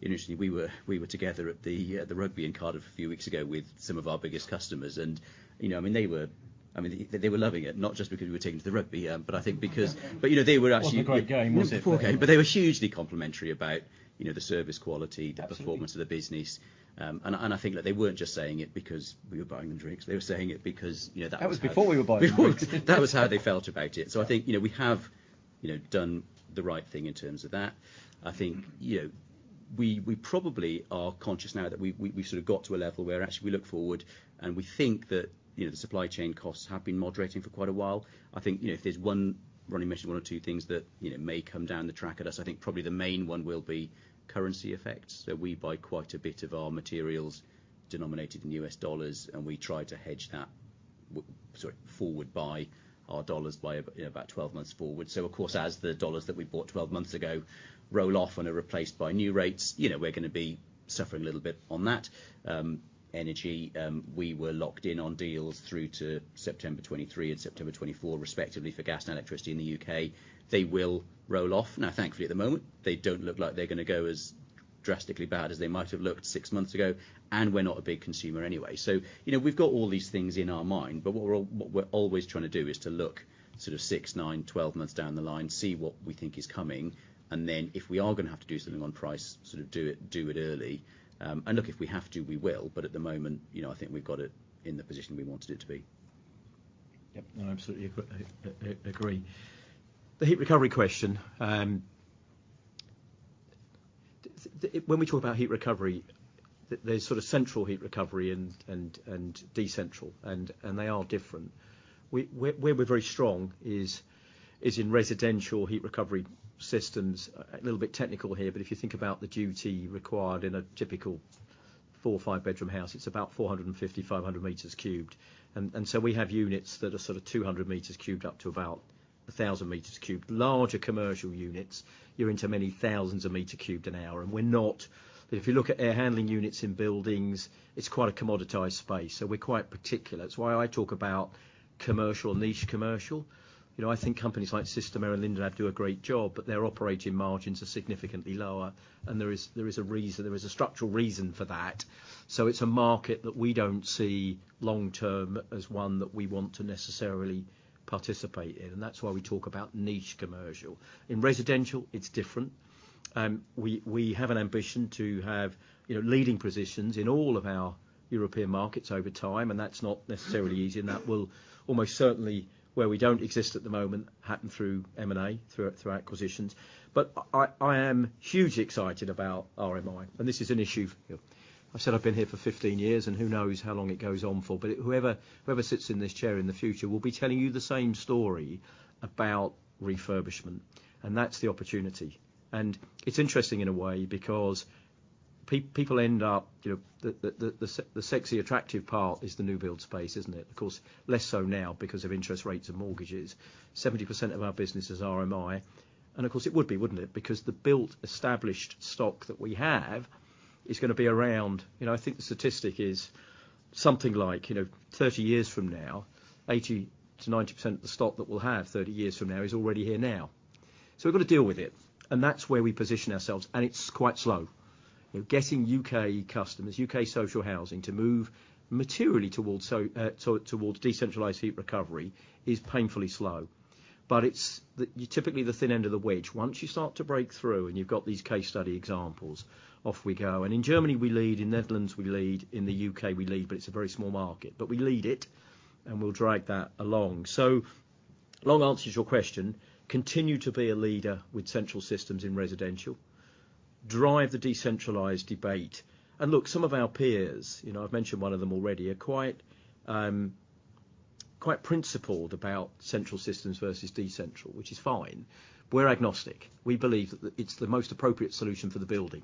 Initially we were together at the rugby in Cardiff a few weeks ago with some of our biggest customers, and, you know, I mean, they were loving it, not just because we were taking them to the rugby, but I think because, you know, they were actually. Wasn't a great game, was it? It was a poor game. They were hugely complimentary about, you know, the service quality Absolutely the performance of the business. I think that they weren't just saying it because we were buying them drinks. They were saying it because, you know, that was. That was before we were buying them drinks. That was how they felt about it. I think, you know, we have, you know, done the right thing in terms of that. I think, you know, we probably are conscious now that we sort of got to a level where actually we look forward and we think that, you know, the supply chain costs have been moderating for quite a while. I think, you know, if there's one running mission, one or two things that, you know, may come down the track at us, I think probably the main one will be currency effects. We buy quite a bit of our materials denominated in U.S. dollars, and we try to hedge that sort of forward buy our dollars by about, you know, about 12 months forward. Of course, as the dollars that we bought 12 months ago roll off and are replaced by new rates, you know, we're gonna be suffering a little bit on that. Energy, we were locked in on deals through to September 2023 and September 2024, respectively, for gas and electricity in the U.K.. They will roll off. Thankfully, at the moment, they don't look like they're gonna go as drastically bad as they might have looked six months ago, and we're not a big consumer anyway. You know, we've got all these things in our mind, but what we're, what we're always trying to do is to look sort of six, nine, 12 months down the line, see what we think is coming, and then if we are gonna have to do something on price, sort of do it, do it early. Look, if we have to, we will. At the moment, you know, I think we've got it in the position we wanted it to be. Yep. No, I absolutely agree. The heat recovery question, when we talk about heat recovery, there's sort of central heat recovery and decentral, and they are different. Where we're very strong is in residential heat recovery systems. A little bit technical here, but if you think about the duty required in a typical four or five-bedroom house, it's about 450,500 meters cubed. We have units that are sort of 200 meters cubed up to about 1,000 meters cubed. Larger commercial units, you're into many thousands of meter cubed an hour. If you look at air handling units in buildings, it's quite a commoditized space, so we're quite particular. It's why I talk about commercial, niche commercial. You know, I think companies like Systemair and Lindab do a great job, but their operating margins are significantly lower, and there is a reason, there is a structural reason for that. It's a market that we don't see long-term as one that we want to necessarily participate in, and that's why we talk about niche commercial. In residential, it's different. We have an ambition to have, you know, leading positions in all of our European markets over time, and that's not necessarily easy, and that will almost certainly, where we don't exist at the moment, happen through M&A, through acquisitions. I am hugely excited about RMI, and this is an issue. I've said I've been here for 15 years, Who knows how long it goes on for, but whoever sits in this chair in the future will be telling you the same story about refurbishment, and that's the opportunity. It's interesting in a way because people end up, you know, the sexy, attractive part is the new build space, isn't it? Of course, less so now because of interest rates and mortgages. 70% of our business is RMI. Of course it would be, wouldn't it? Because the built, established stock that we have is gonna be around, you know, I think the statistic is something like, you know, 30 years from now, 80% to 90% of the stock that we'll have 30 years from now is already here now. We've got to deal with it, and that's where we position ourselves, and it's quite slow. You know, getting U.K. customers, U.K. social housing, to move materially towards decentralized heat recovery is painfully slow. It's typically the thin end of the wedge. Once you start to break through and you've got these case study examples, off we go. In Germany we lead, in Netherlands we lead, in the U.K. we lead, but it's a very small market. We lead it, and we'll drag that along. Long answer to your question, continue to be a leader with central systems in residential, drive the decentralized debate. Look, some of our peers, you know, I've mentioned one of them already, are quite principled about central systems versus decentral, which is fine. We're agnostic. We believe that it's the most appropriate solution for the building.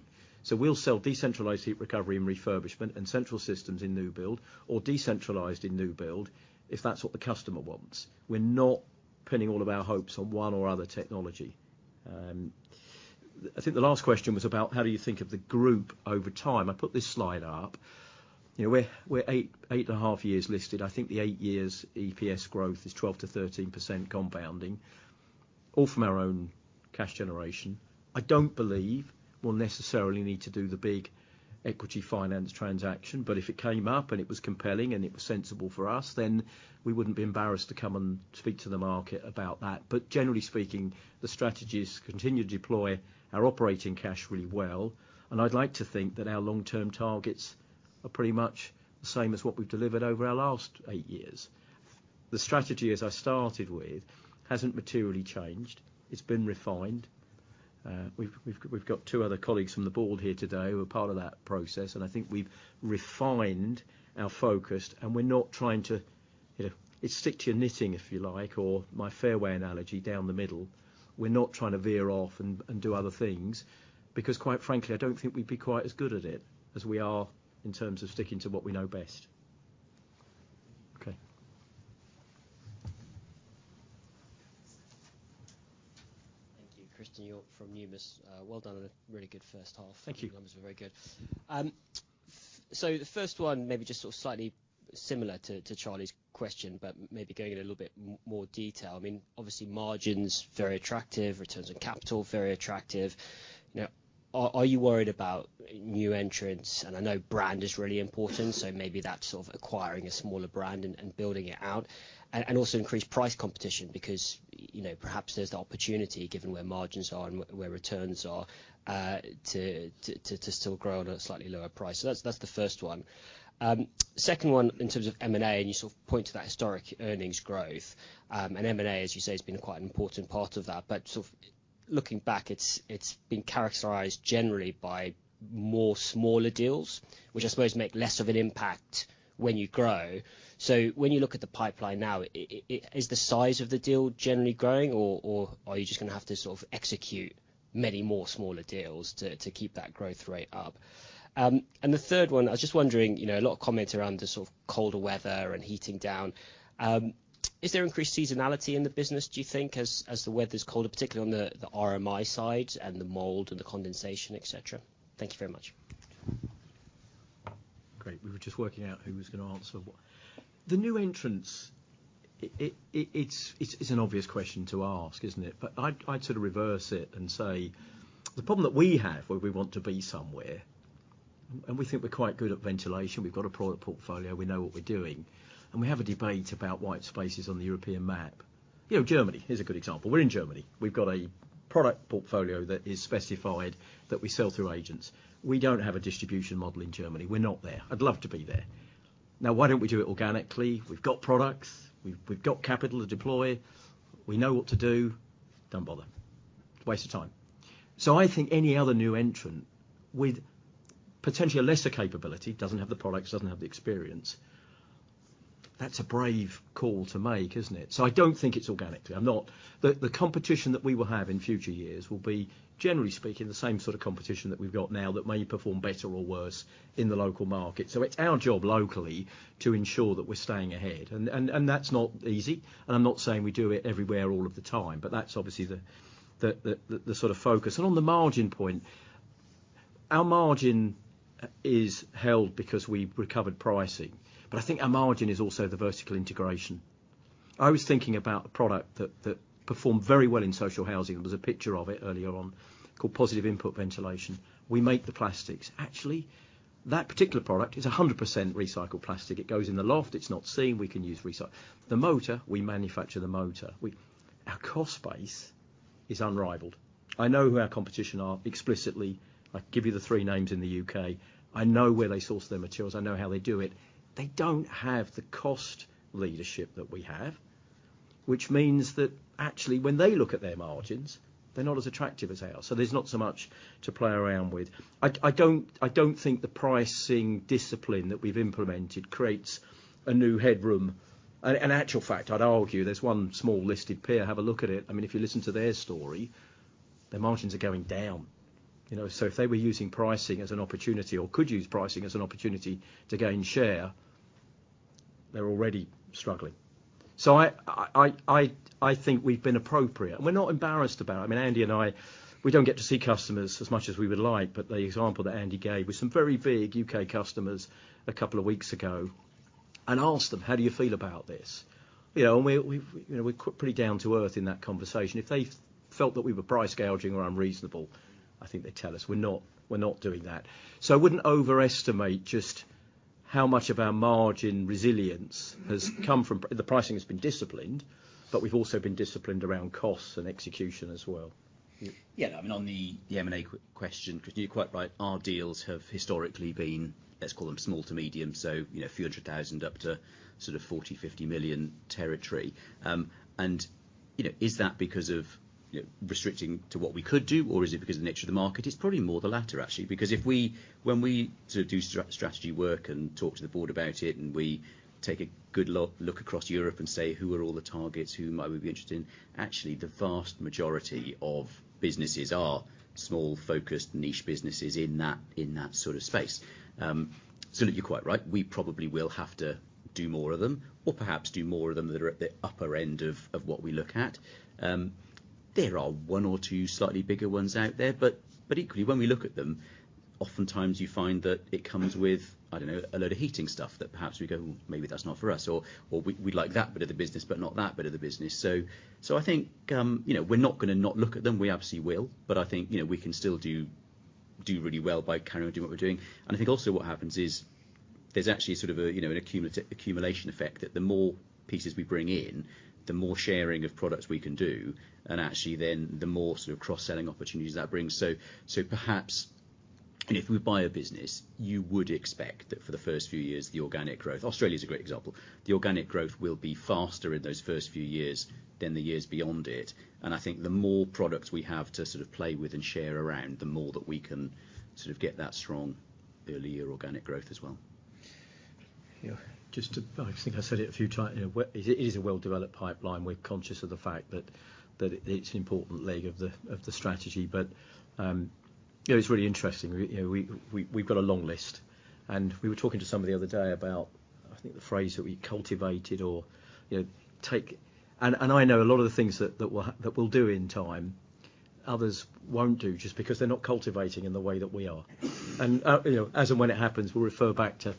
We'll sell decentralized heat recovery and refurbishment and central systems in new build or decentralized in new build if that's what the customer wants. We're not pinning all of our hopes on one or other technology. I think the last question was about how do you think of the group over time? I put this slide up. You know, we're eight and a half years listed. I think the eight years EPS growth is 12% to 13% compounding, all from our own cash generation. I don't believe we'll necessarily need to do the big equity finance transaction, but if it came up and it was compelling and it was sensible for us, then we wouldn't be embarrassed to come and speak to the market about that. Generally speaking, the strategy is to continue to deploy our operating cash really well, and I'd like to think that our long-term targets are pretty much the same as what we've delivered over our last eight years. The strategy, as I started with, hasn't materially changed. It's been refined. We've got two other colleagues from the board here today who are part of that process, and I think we've refined our focus and we're not trying to, you know, it's stick to your knitting, if you like, or my fairway analogy, down the middle. We're not trying to veer off and do other things because quite frankly, I don't think we'd be quite as good at it as we are in terms of sticking to what we know best. Okay. Thank you. Christian York from Numis. well done on a really good first half. Thank you. Numbers were very good. The first one, maybe just sort of slightly similar to Charlie's question, but maybe going in a little bit more detail. I mean, obviously margin's very attractive, returns on capital, very attractive. Now, are you worried about new entrants? I know brand is really important, so maybe that's sort of acquiring a smaller brand and building it out. Also increased price competition because, you know, perhaps there's the opportunity given where margins are and where returns are, to still grow at a slightly lower price. That's the first one. Second one in terms of M&A, you sort of point to that historic earnings growth. M&A, as you say, has been a quite important part of that. Sort of looking back, it's been characterized generally by more smaller deals, which I suppose make less of an impact when you grow. When you look at the pipeline now, is the size of the deal generally growing, or are you just gonna have to sort of execute many more smaller deals to keep that growth rate up? The third one, I was just wondering, you know, a lot of comment around the sort of colder weather and heating down. Is there increased seasonality in the business, do you think, as the weather's colder, particularly on the RMI side and the mold and the condensation, et cetera? Thank you very much. Great. We were just working out who was gonna answer what. The new entrants, it's an obvious question to ask, isn't it? I'd sort of reverse it and say the problem that we have, where we want to be somewhere, and we think we're quite good at ventilation, we've got a product portfolio, we know what we're doing, and we have a debate about white spaces on the European map. You know, Germany is a good example. We're in Germany. We've got a product portfolio that is specified that we sell through agents. We don't have a distribution model in Germany. We're not there. I'd love to be there. Why don't we do it organically? We've got products. We've got capital to deploy. We know what to do. Don't bother. It's a waste of time. I think any other new entrant with potentially a lesser capability, doesn't have the products, doesn't have the experience, that's a brave call to make, isn't it? I don't think it's organically. I'm not. The competition that we will have in future years will be, generally speaking, the same sort of competition that we've got now that may perform better or worse in the local market. It's our job locally to ensure that we're staying ahead, and that's not easy, and I'm not saying we do it everywhere all of the time, but that's obviously the sort of focus. On the margin point, our margin is held because we recovered pricing. I think our margin is also the vertical integration. I was thinking about a product that performed very well in social housing. There was a picture of it earlier on called positive input ventilation. We make the plastics. Actually, that particular product is 100% recycled plastic. It goes in the loft. It's not seen. We can use recyc. The motor, we manufacture the motor. Our cost base is unrivaled. I know who our competition are explicitly. I can give you the three names in the U.K. I know where they source their materials. I know how they do it. They don't have the cost leadership that we have, which means that actually when they look at their margins, they're not as attractive as ours. So there's not so much to play around with. I don't think the pricing discipline that we've implemented creates a new headroom. In actual fact, I'd argue there's one small listed peer, have a look at it. I mean, if you listen to their story, their margins are going down. You know, if they were using pricing as an opportunity or could use pricing as an opportunity to gain share, they're already struggling. I think we've been appropriate. We're not embarrassed about it. I mean, Andy and I, we don't get to see customers as much as we would like, but the example that Andy gave with some very big U.K. customers a couple of weeks ago and asked them, "How do you feel about this?" You know, we, you know, we're pretty down-to-earth in that conversation. If they felt that we were price gouging or unreasonable, I think they'd tell us. We're not doing that. I wouldn't overestimate just how much of our margin resilience has come from the pricing has been disciplined, but we've also been disciplined around costs and execution as well. I mean, on the M&A question, 'cause you're quite right, our deals have historically been, let's call them small to medium, so you know, a few hundred thousand up to sort of 40 million to 50 million territory. You know, is that because of, you know, restricting to what we could do or is it because of the nature of the market? It's probably more the latter, actually. When we sort of do strategy work and talk to the board about it, we take a good look across Europe and say, "Who are all the targets? Who might we be interested in?" Actually, the vast majority of businesses are small, focused, niche businesses in that, in that sort of space. Look, you're quite right. We probably will have to do more of them or perhaps do more of them that are at the upper end of what we look at. There are one or two slightly bigger ones out there, but equally, when we look at them, oftentimes you find that it comes with, I don't know, a load of heating stuff that perhaps we go, "Maybe that's not for us," or, "We like that bit of the business, but not that bit of the business." I think, you know, we're not gonna not look at them. We obviously will, but I think, you know, we can still do really well by carrying on doing what we're doing. I think also what happens is there's actually sort of a, you know, an accumulation effect that the more pieces we bring in, the more sharing of products we can do, and actually then the more sort of cross-selling opportunities that brings. Perhaps if we buy a business, you would expect that for the first few years, Australia's a great example. The organic growth will be faster in those first few years than the years beyond it. I think the more products we have to sort of play with and share around, the more that we can sort of get that strong early year organic growth as well. Yeah. You know, what, it is a well-developed pipeline. We're conscious of the fact that it's an important leg of the strategy. You know, it's really interesting. We, you know, we've got a long list. We were talking to somebody the other day about, I think the phrase that we cultivated or, you know, take. I know a lot of the things that we're, that we'll do in time, others won't do just because they're not cultivating in the way that we are. You know, as and when it happens, we'll refer back to,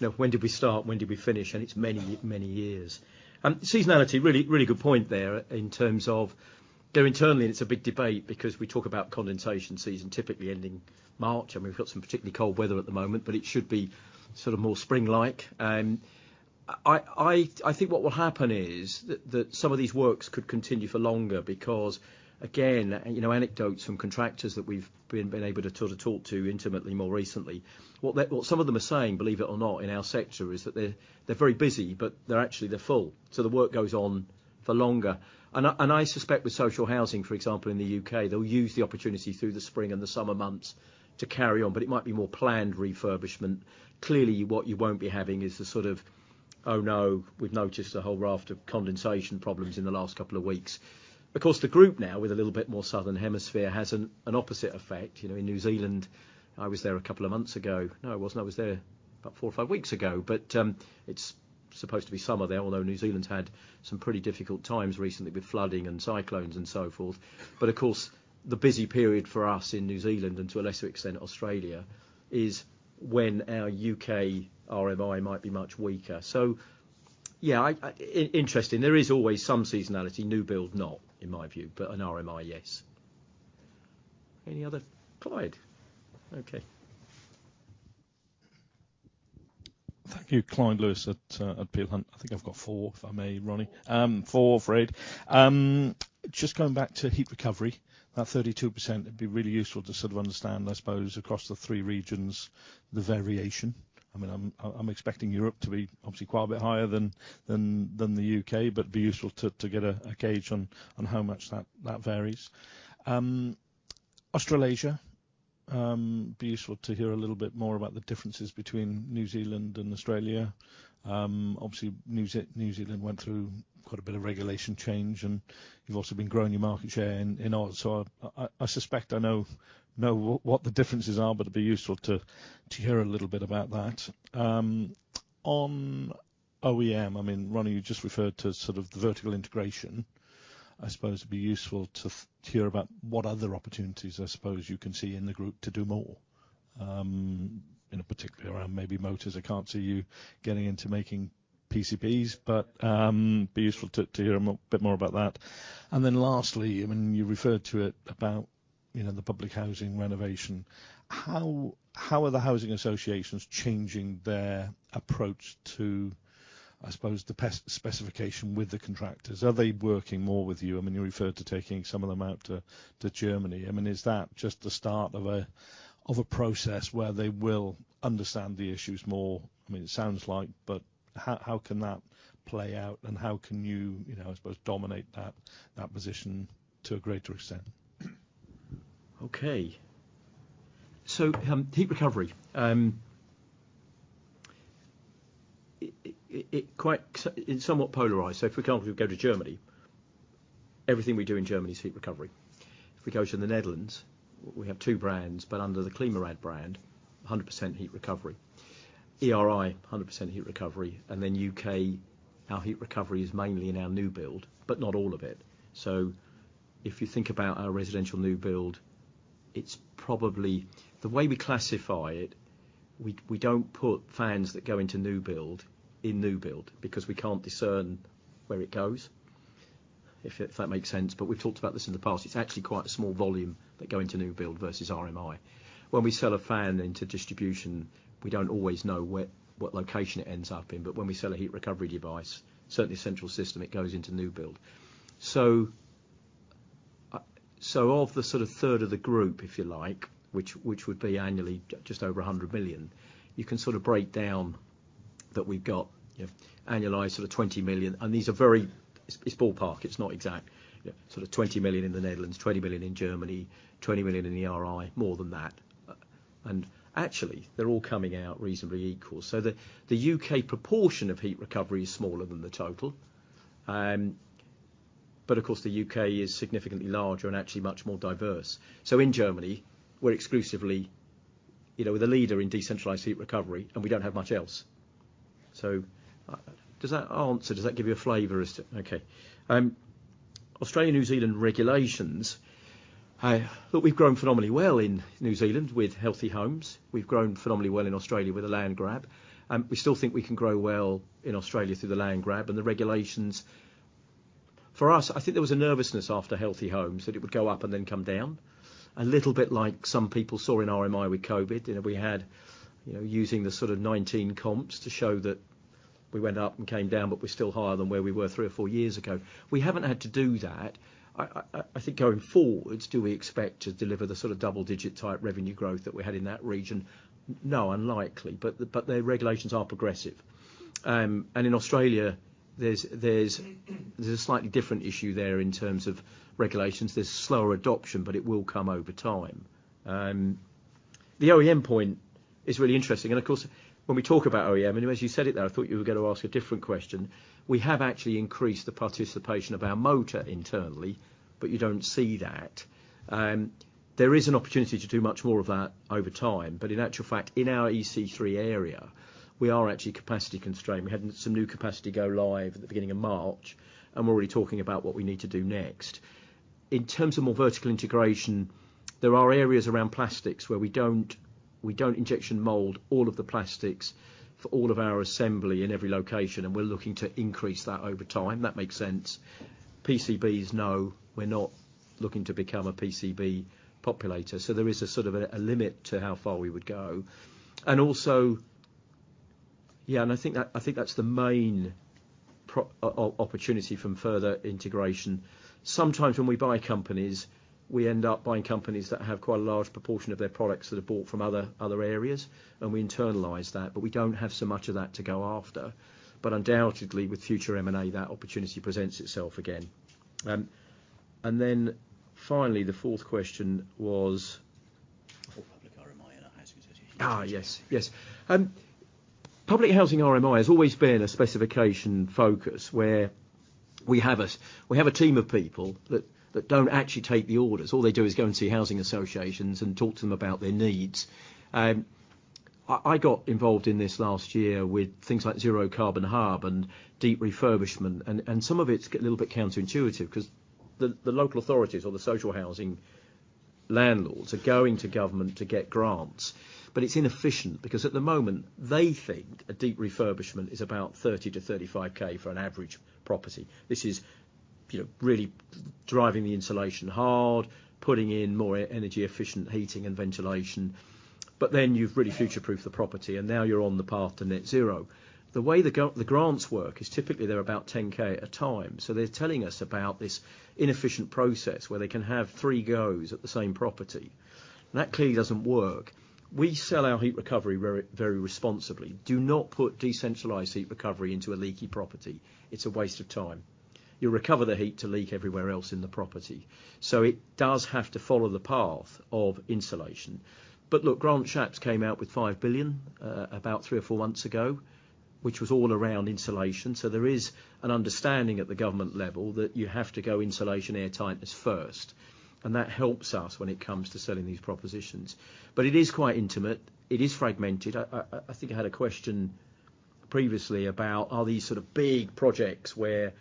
you know, when did we start? When did we finish? It's many, many years. Seasonality, really good point there in terms of. Though internally it's a big debate because we talk about condensation season typically ending March, and we've got some particularly cold weather at the moment, but it should be sort of more spring-like. I think what will happen is that some of these works could continue for longer because, again, you know, anecdotes from contractors that we've been able to sort of talk to intimately more recently, what they, what some of them are saying, believe it or not, in our sector, is that they're very busy, but they're actually, they're full, so the work goes on for longer. And I, and I suspect with social housing, for example, in the U.K., they'll use the opportunity through the spring and the summer months to carry on, but it might be more planned refurbishment. Clearly, what you won't be having is the sort of, "Oh, no. We've noticed a whole raft of condensation problems in the last couple of weeks." Of course, the group now with a little bit more Southern Hemisphere has an opposite effect. You know, in New Zealand, I was there a couple of months ago. No, I wasn't. I was there about four or five weeks ago. It's supposed to be summer there, although New Zealand's had some pretty difficult times recently with flooding and cyclones and so forth. Of course, the busy period for us in New Zealand, and to a lesser extent Australia, is when our U.K. RMI might be much weaker. Yeah, I, interesting. There is always some seasonality. New build, not, in my view, but an RMI, yes. Any other? Clyde. Okay. Thank you. Clyde Lewis at Peel Hunt. I think I've got four, if I may, Ronnie. Four, Fred. Just going back to heat recovery. That 32%, it'd be really useful to sort of understand, I suppose, across the three regions, the variation. I mean, I'm expecting Europe to be obviously quite a bit higher than the U.K., but it'd be useful to get a gauge on how much that varies. Australasia, be useful to hear a little bit more about the differences between New Zealand and Australia. Obviously New Zealand went through quite a bit of regulation change, and you've also been growing your market share in Aus, so I suspect I know what the differences are, but it'd be useful to hear a little bit about that. On OEM, I mean, Ronnie, you just referred to sort of the vertical integration. I suppose it'd be useful to hear about what other opportunities I suppose you can see in the group to do more, you know, particularly around maybe motors. I can't see you getting into making PCBs, but be useful to hear a bit more about that. And then lastly, I mean, you referred to it about, you know, the public housing renovation. How are the housing associations changing their approach to, I suppose, the specification with the contractors? Are they working more with you? I mean, you referred to taking some of them out to Germany. I mean, is that just the start of a process where they will understand the issues more? I mean, it sounds like, but how can that play out and how can you know, I suppose, dominate that position to a greater extent? Heat recovery. It's somewhat polarized. If we can't go to Germany, everything we do in Germany is heat recovery. If we go to the Netherlands, we have two brands, but under the ClimaRad brand, 100% heat recovery. ERI, 100% heat recovery. U.K., our heat recovery is mainly in our new build, but not all of it. If you think about our residential new build, it's probably. The way we classify it, we don't put fans that go into new build in new build because we can't discern where it goes, if that makes sense. We've talked about this in the past. It's actually quite a small volume that go into new build versus RMI. When we sell a fan into distribution, we don't always know where, what location it ends up in. When we sell a heat recovery device, certainly a central system, it goes into new build. Of the sort of third of the group, if you like, which would be annually just over 100 million, you can sort of break down that we've got, you know, annualized sort of 20 million, and these are very, It's, it's ballpark, it's not exact. You know, sort of 20 million in the Netherlands, 20 million in Germany, 20 million in ERI, more than that. Actually, they're all coming out reasonably equal. The U.K. proportion of heat recovery is smaller than the total. Of course, the UK is significantly larger and actually much more diverse. In Germany, we're exclusively, you know, the leader in decentralized heat recovery, and we don't have much else. Does that give you a flavor as to, okay. Australia/New Zealand regulations. I look, we've grown phenomenally well in New Zealand with Healthy Homes. We've grown phenomenally well in Australia with the land grab. We still think we can grow well in Australia through the land grab and the regulations. For us, I think there was a nervousness after Healthy Homes that it would go up and then come down. A little bit like some people saw in RMI with COVID. You know, we had, you know, using the sort of 2019 comps to show that we went up and came down, but we're still higher than where we were three or four years ago. We haven't had to do that. I think going forwards, do we expect to deliver the sort of double-digit type revenue growth that we had in that region? No, unlikely. Their regulations are progressive. In Australia, there's a slightly different issue there in terms of regulations. There's slower adoption, but it will come over time. The OEM point is really interesting. Of course, when we talk about OEM, and as you said it there, I thought you were gonna ask a different question, we have actually increased the participation of our motor internally, but you don't see that. There is an opportunity to do much more of that over time. In actual fact, in our EC3 area, we are actually capacity constrained. We're having some new capacity go live at the beginning of March. We're already talking about what we need to do next. In terms of more vertical integration, there are areas around plastics where we don't injection mold all of the plastics for all of our assembly in every location, and we're looking to increase that over time. That makes sense. PCBs, no, we're not looking to become a PCB populator. There is a sort of a limit to how far we would go. Also, I think that's the main opportunity from further integration. Sometimes when we buy companies, we end up buying companies that have quite a large proportion of their products that are bought from other areas, and we internalize that, but we don't have so much of that to go after. Undoubtedly, with future M&A, that opportunity presents itself again. Then finally, the fourth question was, For public RMI and housing associations. Yes. Yes. Public housing RMI has always been a specification focus, where we have a team of people that don't actually take the orders. All they do is go and see housing associations and talk to them about their needs. I got involved in this last year with things like Zero Carbon Hub and deep refurbishment, and some of it's get a little bit counterintuitive 'cause the local authorities or the social housing landlords are going to government to get grants. It's inefficient because at the moment, they think a deep refurbishment is about 30,000 to 35,000 for an average property. This is, you know, really driving the insulation hard, putting in more energy efficient heating and ventilation. You've really future-proofed the property, and now you're on the path to net zero. The way the grants work is typically they're about 10,000 a time. They're telling us about this inefficient process where they can have three goes at the same property. That clearly doesn't work. We sell our heat recovery very, very responsibly. Do not put decentralized heat recovery into a leaky property. It's a waste of time. You recover the heat to leak everywhere else in the property. It does have to follow the path of insulation. Look, Grant Shapps came out with 5 billion about three or four months ago, which was all around insulation. There is an understanding at the government level that you have to go insulation, airtightness first, and that helps us when it comes to selling these propositions. It is quite intimate. It is fragmented. I think I had a question previously about, are these sort of big projects where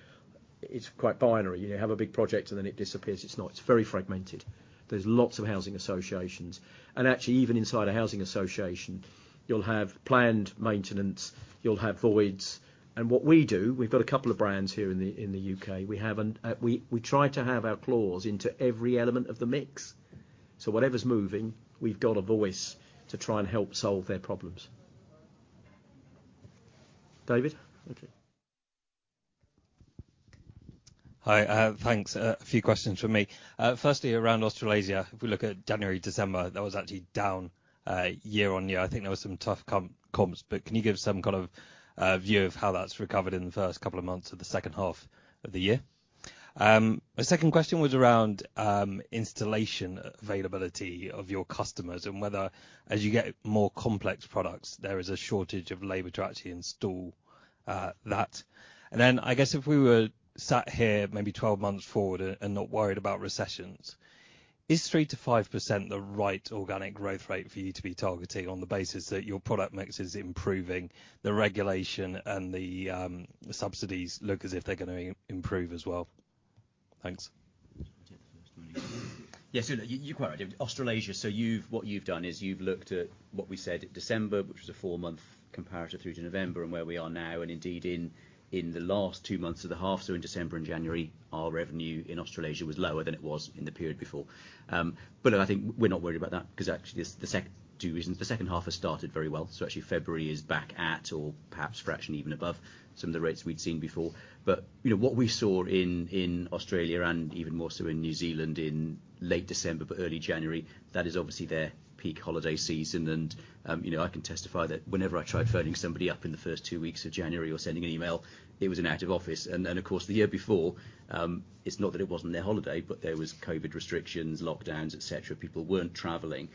it's quite binary, you know? You have a big project and then it disappears. It's not. It's very fragmented. There's lots of housing associations. Actually, even inside a housing association, you'll have planned maintenance, you'll have voids. What we do, we've got a couple of brands here in the, in the U.K. We have an, we try to have our claws into every element of the mix. Whatever's moving, we've got a voice to try and help solve their problems. David? Okay. Hi, thanks. A few questions from me. Firstly, around Australasia, if we look at January, December, that was actually down year-over-year. I think there were some tough combs. Can you give some kind of view of how that's recovered in the first two months of the second half of the year? My second question was around installation availability of your customers and whether as you get more complex products, there is a shortage of labor to actually install that. I guess if we were sat here maybe 12 months forward and not worried about recessions, is 3% to 5% the right organic growth rate for you to be targeting on the basis that your product mix is improving the regulation and the subsidies look as if they're gonna improve as well? Thanks. Do you want to take the first one? Yes, you quite right. Australasia, you've, what you've done is you've looked at what we said December, which was a 4-month comparator through to November and where we are now and indeed in the last two months of the half. In December and January, our revenue in Australasia was lower than it was in the period before. I think we're not worried about that 'cause actually there's two reasons. The second half has started very well. Actually February is back at or perhaps fraction even above some of the rates we'd seen before. You know, what we saw in Australia and even more so in New Zealand in late December but early January, that is obviously their peak holiday season and, you know, I can testify that whenever I tried phoning somebody up in the first two weeks of January or sending an email, it was an out of office. Then, of course, the year before, it's not that it wasn't their holiday, but there was COVID restrictions, lockdowns, et cetera. People weren't traveling.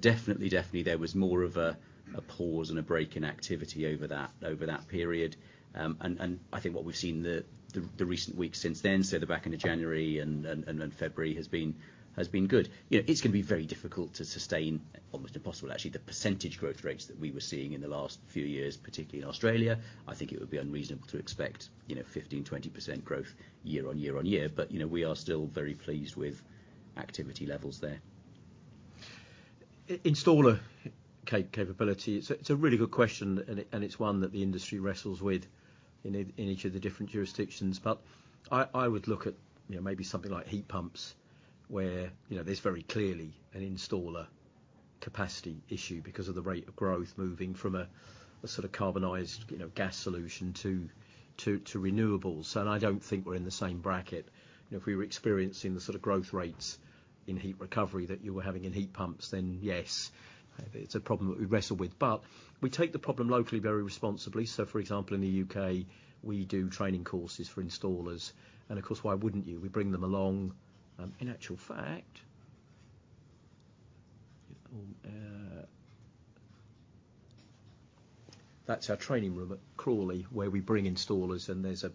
Definitely there was more of a pause and a break in activity over that period. I think what we've seen the recent weeks since then, so the back end of January and February has been good. You know, it's gonna be very difficult to sustain, almost impossible actually, the percentage growth rates that we were seeing in the last few years, particularly in Australia. I think it would be unreasonable to expect, you know, 15%, 20% growth year on year on year. You know, we are still very pleased with activity levels there. Installer capability, it's a really good question and it's one that the industry wrestles with in each of the different jurisdictions. I would look at, you know, maybe something like heat pumps, where, you know, there's very clearly an installer capacity issue because of the rate of growth moving from a sort of carbonized, you know, gas solution to renewables. I don't think we're in the same bracket. You know, if we were experiencing the sort of growth rates in heat recovery that you were having in heat pumps, then yes, it's a problem that we wrestle with. We take the problem locally very responsibly. For example, in the U.K., we do training courses for installers and of course, why wouldn't you? We bring them along. In actual fact, That's our training room at Crawley, where we bring installers, and there's an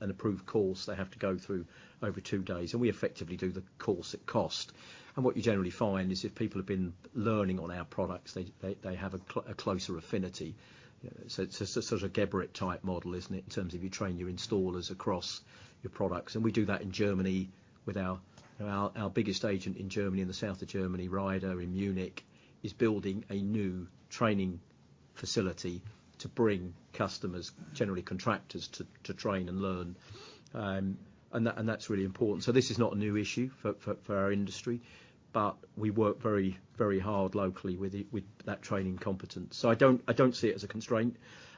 approved course they have to go through over two days, and we effectively do the course at cost. What you generally find is if people have been learning on our products, they have a closer affinity. It's a, sort of Geberit-type model, isn't it, in terms of you train your installers across your products. We do that in Germany with our biggest agent in Germany, in the south of Germany, Rieder in Munich, is building a new training facility to bring customers, generally contractors, to train and learn. That's really important. This is not a new issue for our industry, but we work very, very hard locally with that training competence. I don't see it as a constraint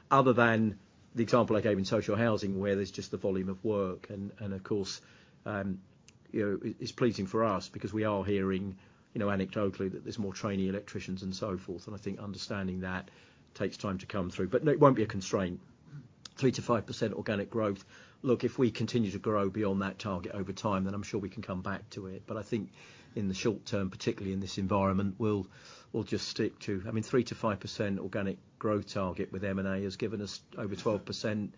other than the example I gave in social housing, where there's just the volume of work and of course, you know, it's pleasing for us because we are hearing, you know, anecdotally that there's more trainee electricians and so forth. I think understanding that takes time to come through. No, it won't be a constraint. 3% to 5% organic growth. If we continue to grow beyond that target over time, then I'm sure we can come back to it. I think in the short term, particularly in this environment, we'll just stick to. I mean, 3% to 5% organic growth target with M&A has given us over 12%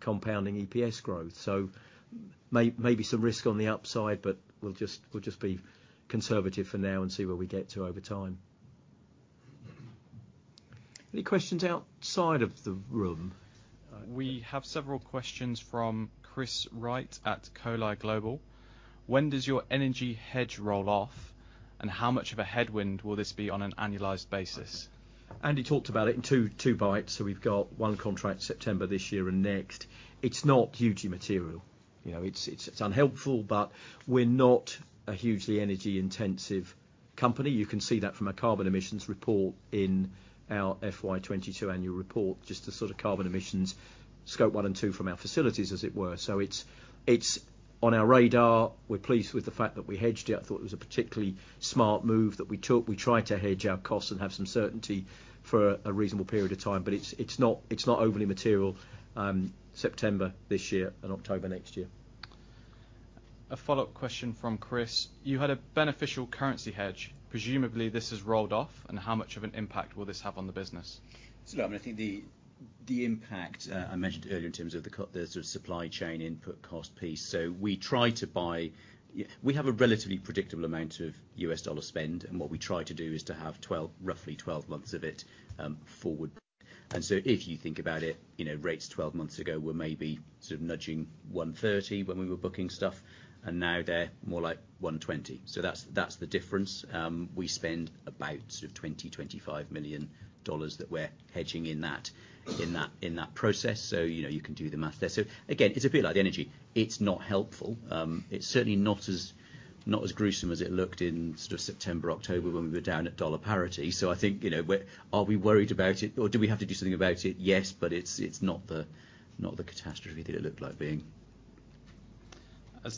compounding EPS growth. May be some risk on the upside, but we'll just be conservative for now and see where we get to over time. Any questions outside of the room? We have several questions from Chris Wright at Coller Global. When does your energy hedge roll off, and how much of a headwind will this be on an annualized basis? Andy talked about it in two bites. We've got one contract September this year and next. It's not hugely material. You know, it's, it's unhelpful, but we're not a hugely energy intensive company. You can see that from a carbon emissions report in our FY 2022 annual report, just the sort of carbon emissions scope one and two from our facilities as it were. It's, it's on our radar. We're pleased with the fact that we hedged it. I thought it was a particularly smart move that we took. We try to hedge our costs and have some certainty for a reasonable period of time. It's, it's not, it's not overly material, September this year and October next year. A follow-up question from Chris: You had a beneficial currency hedge. Presumably, this has rolled off. How much of an impact will this have on the business? Look, I mean, I think the impact I mentioned earlier in terms of the sort of supply chain input cost piece. We try to buy we have a relatively predictable amount of US dollar spend, and what we try to do is to have 12, roughly 12 months of it forward. If you think about it, you know, rates 12 months ago were maybe sort of nudging 1.30 when we were booking stuff, and now they're more like 1.20. That's the difference. We spend about sort of $20 million to $25 million that we're hedging in that process. You know, you can do the math there. Again, it's a bit like the energy. It's not helpful. It's certainly not as gruesome as it looked in sort of September, October, when we were down at dollar parity. I think, you know, are we worried about it, or do we have to do something about it? Yes, it's not the catastrophe that it looked like being.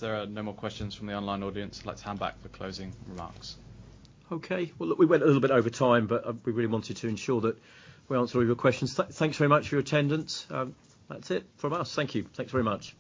There are no more questions from the online audience, let's hand back for closing remarks. Okay. Well, look, we went a little bit over time, but we really wanted to ensure that we answered all your questions. Thanks very much for your attendance. That's it from us. Thank you. Thanks very much.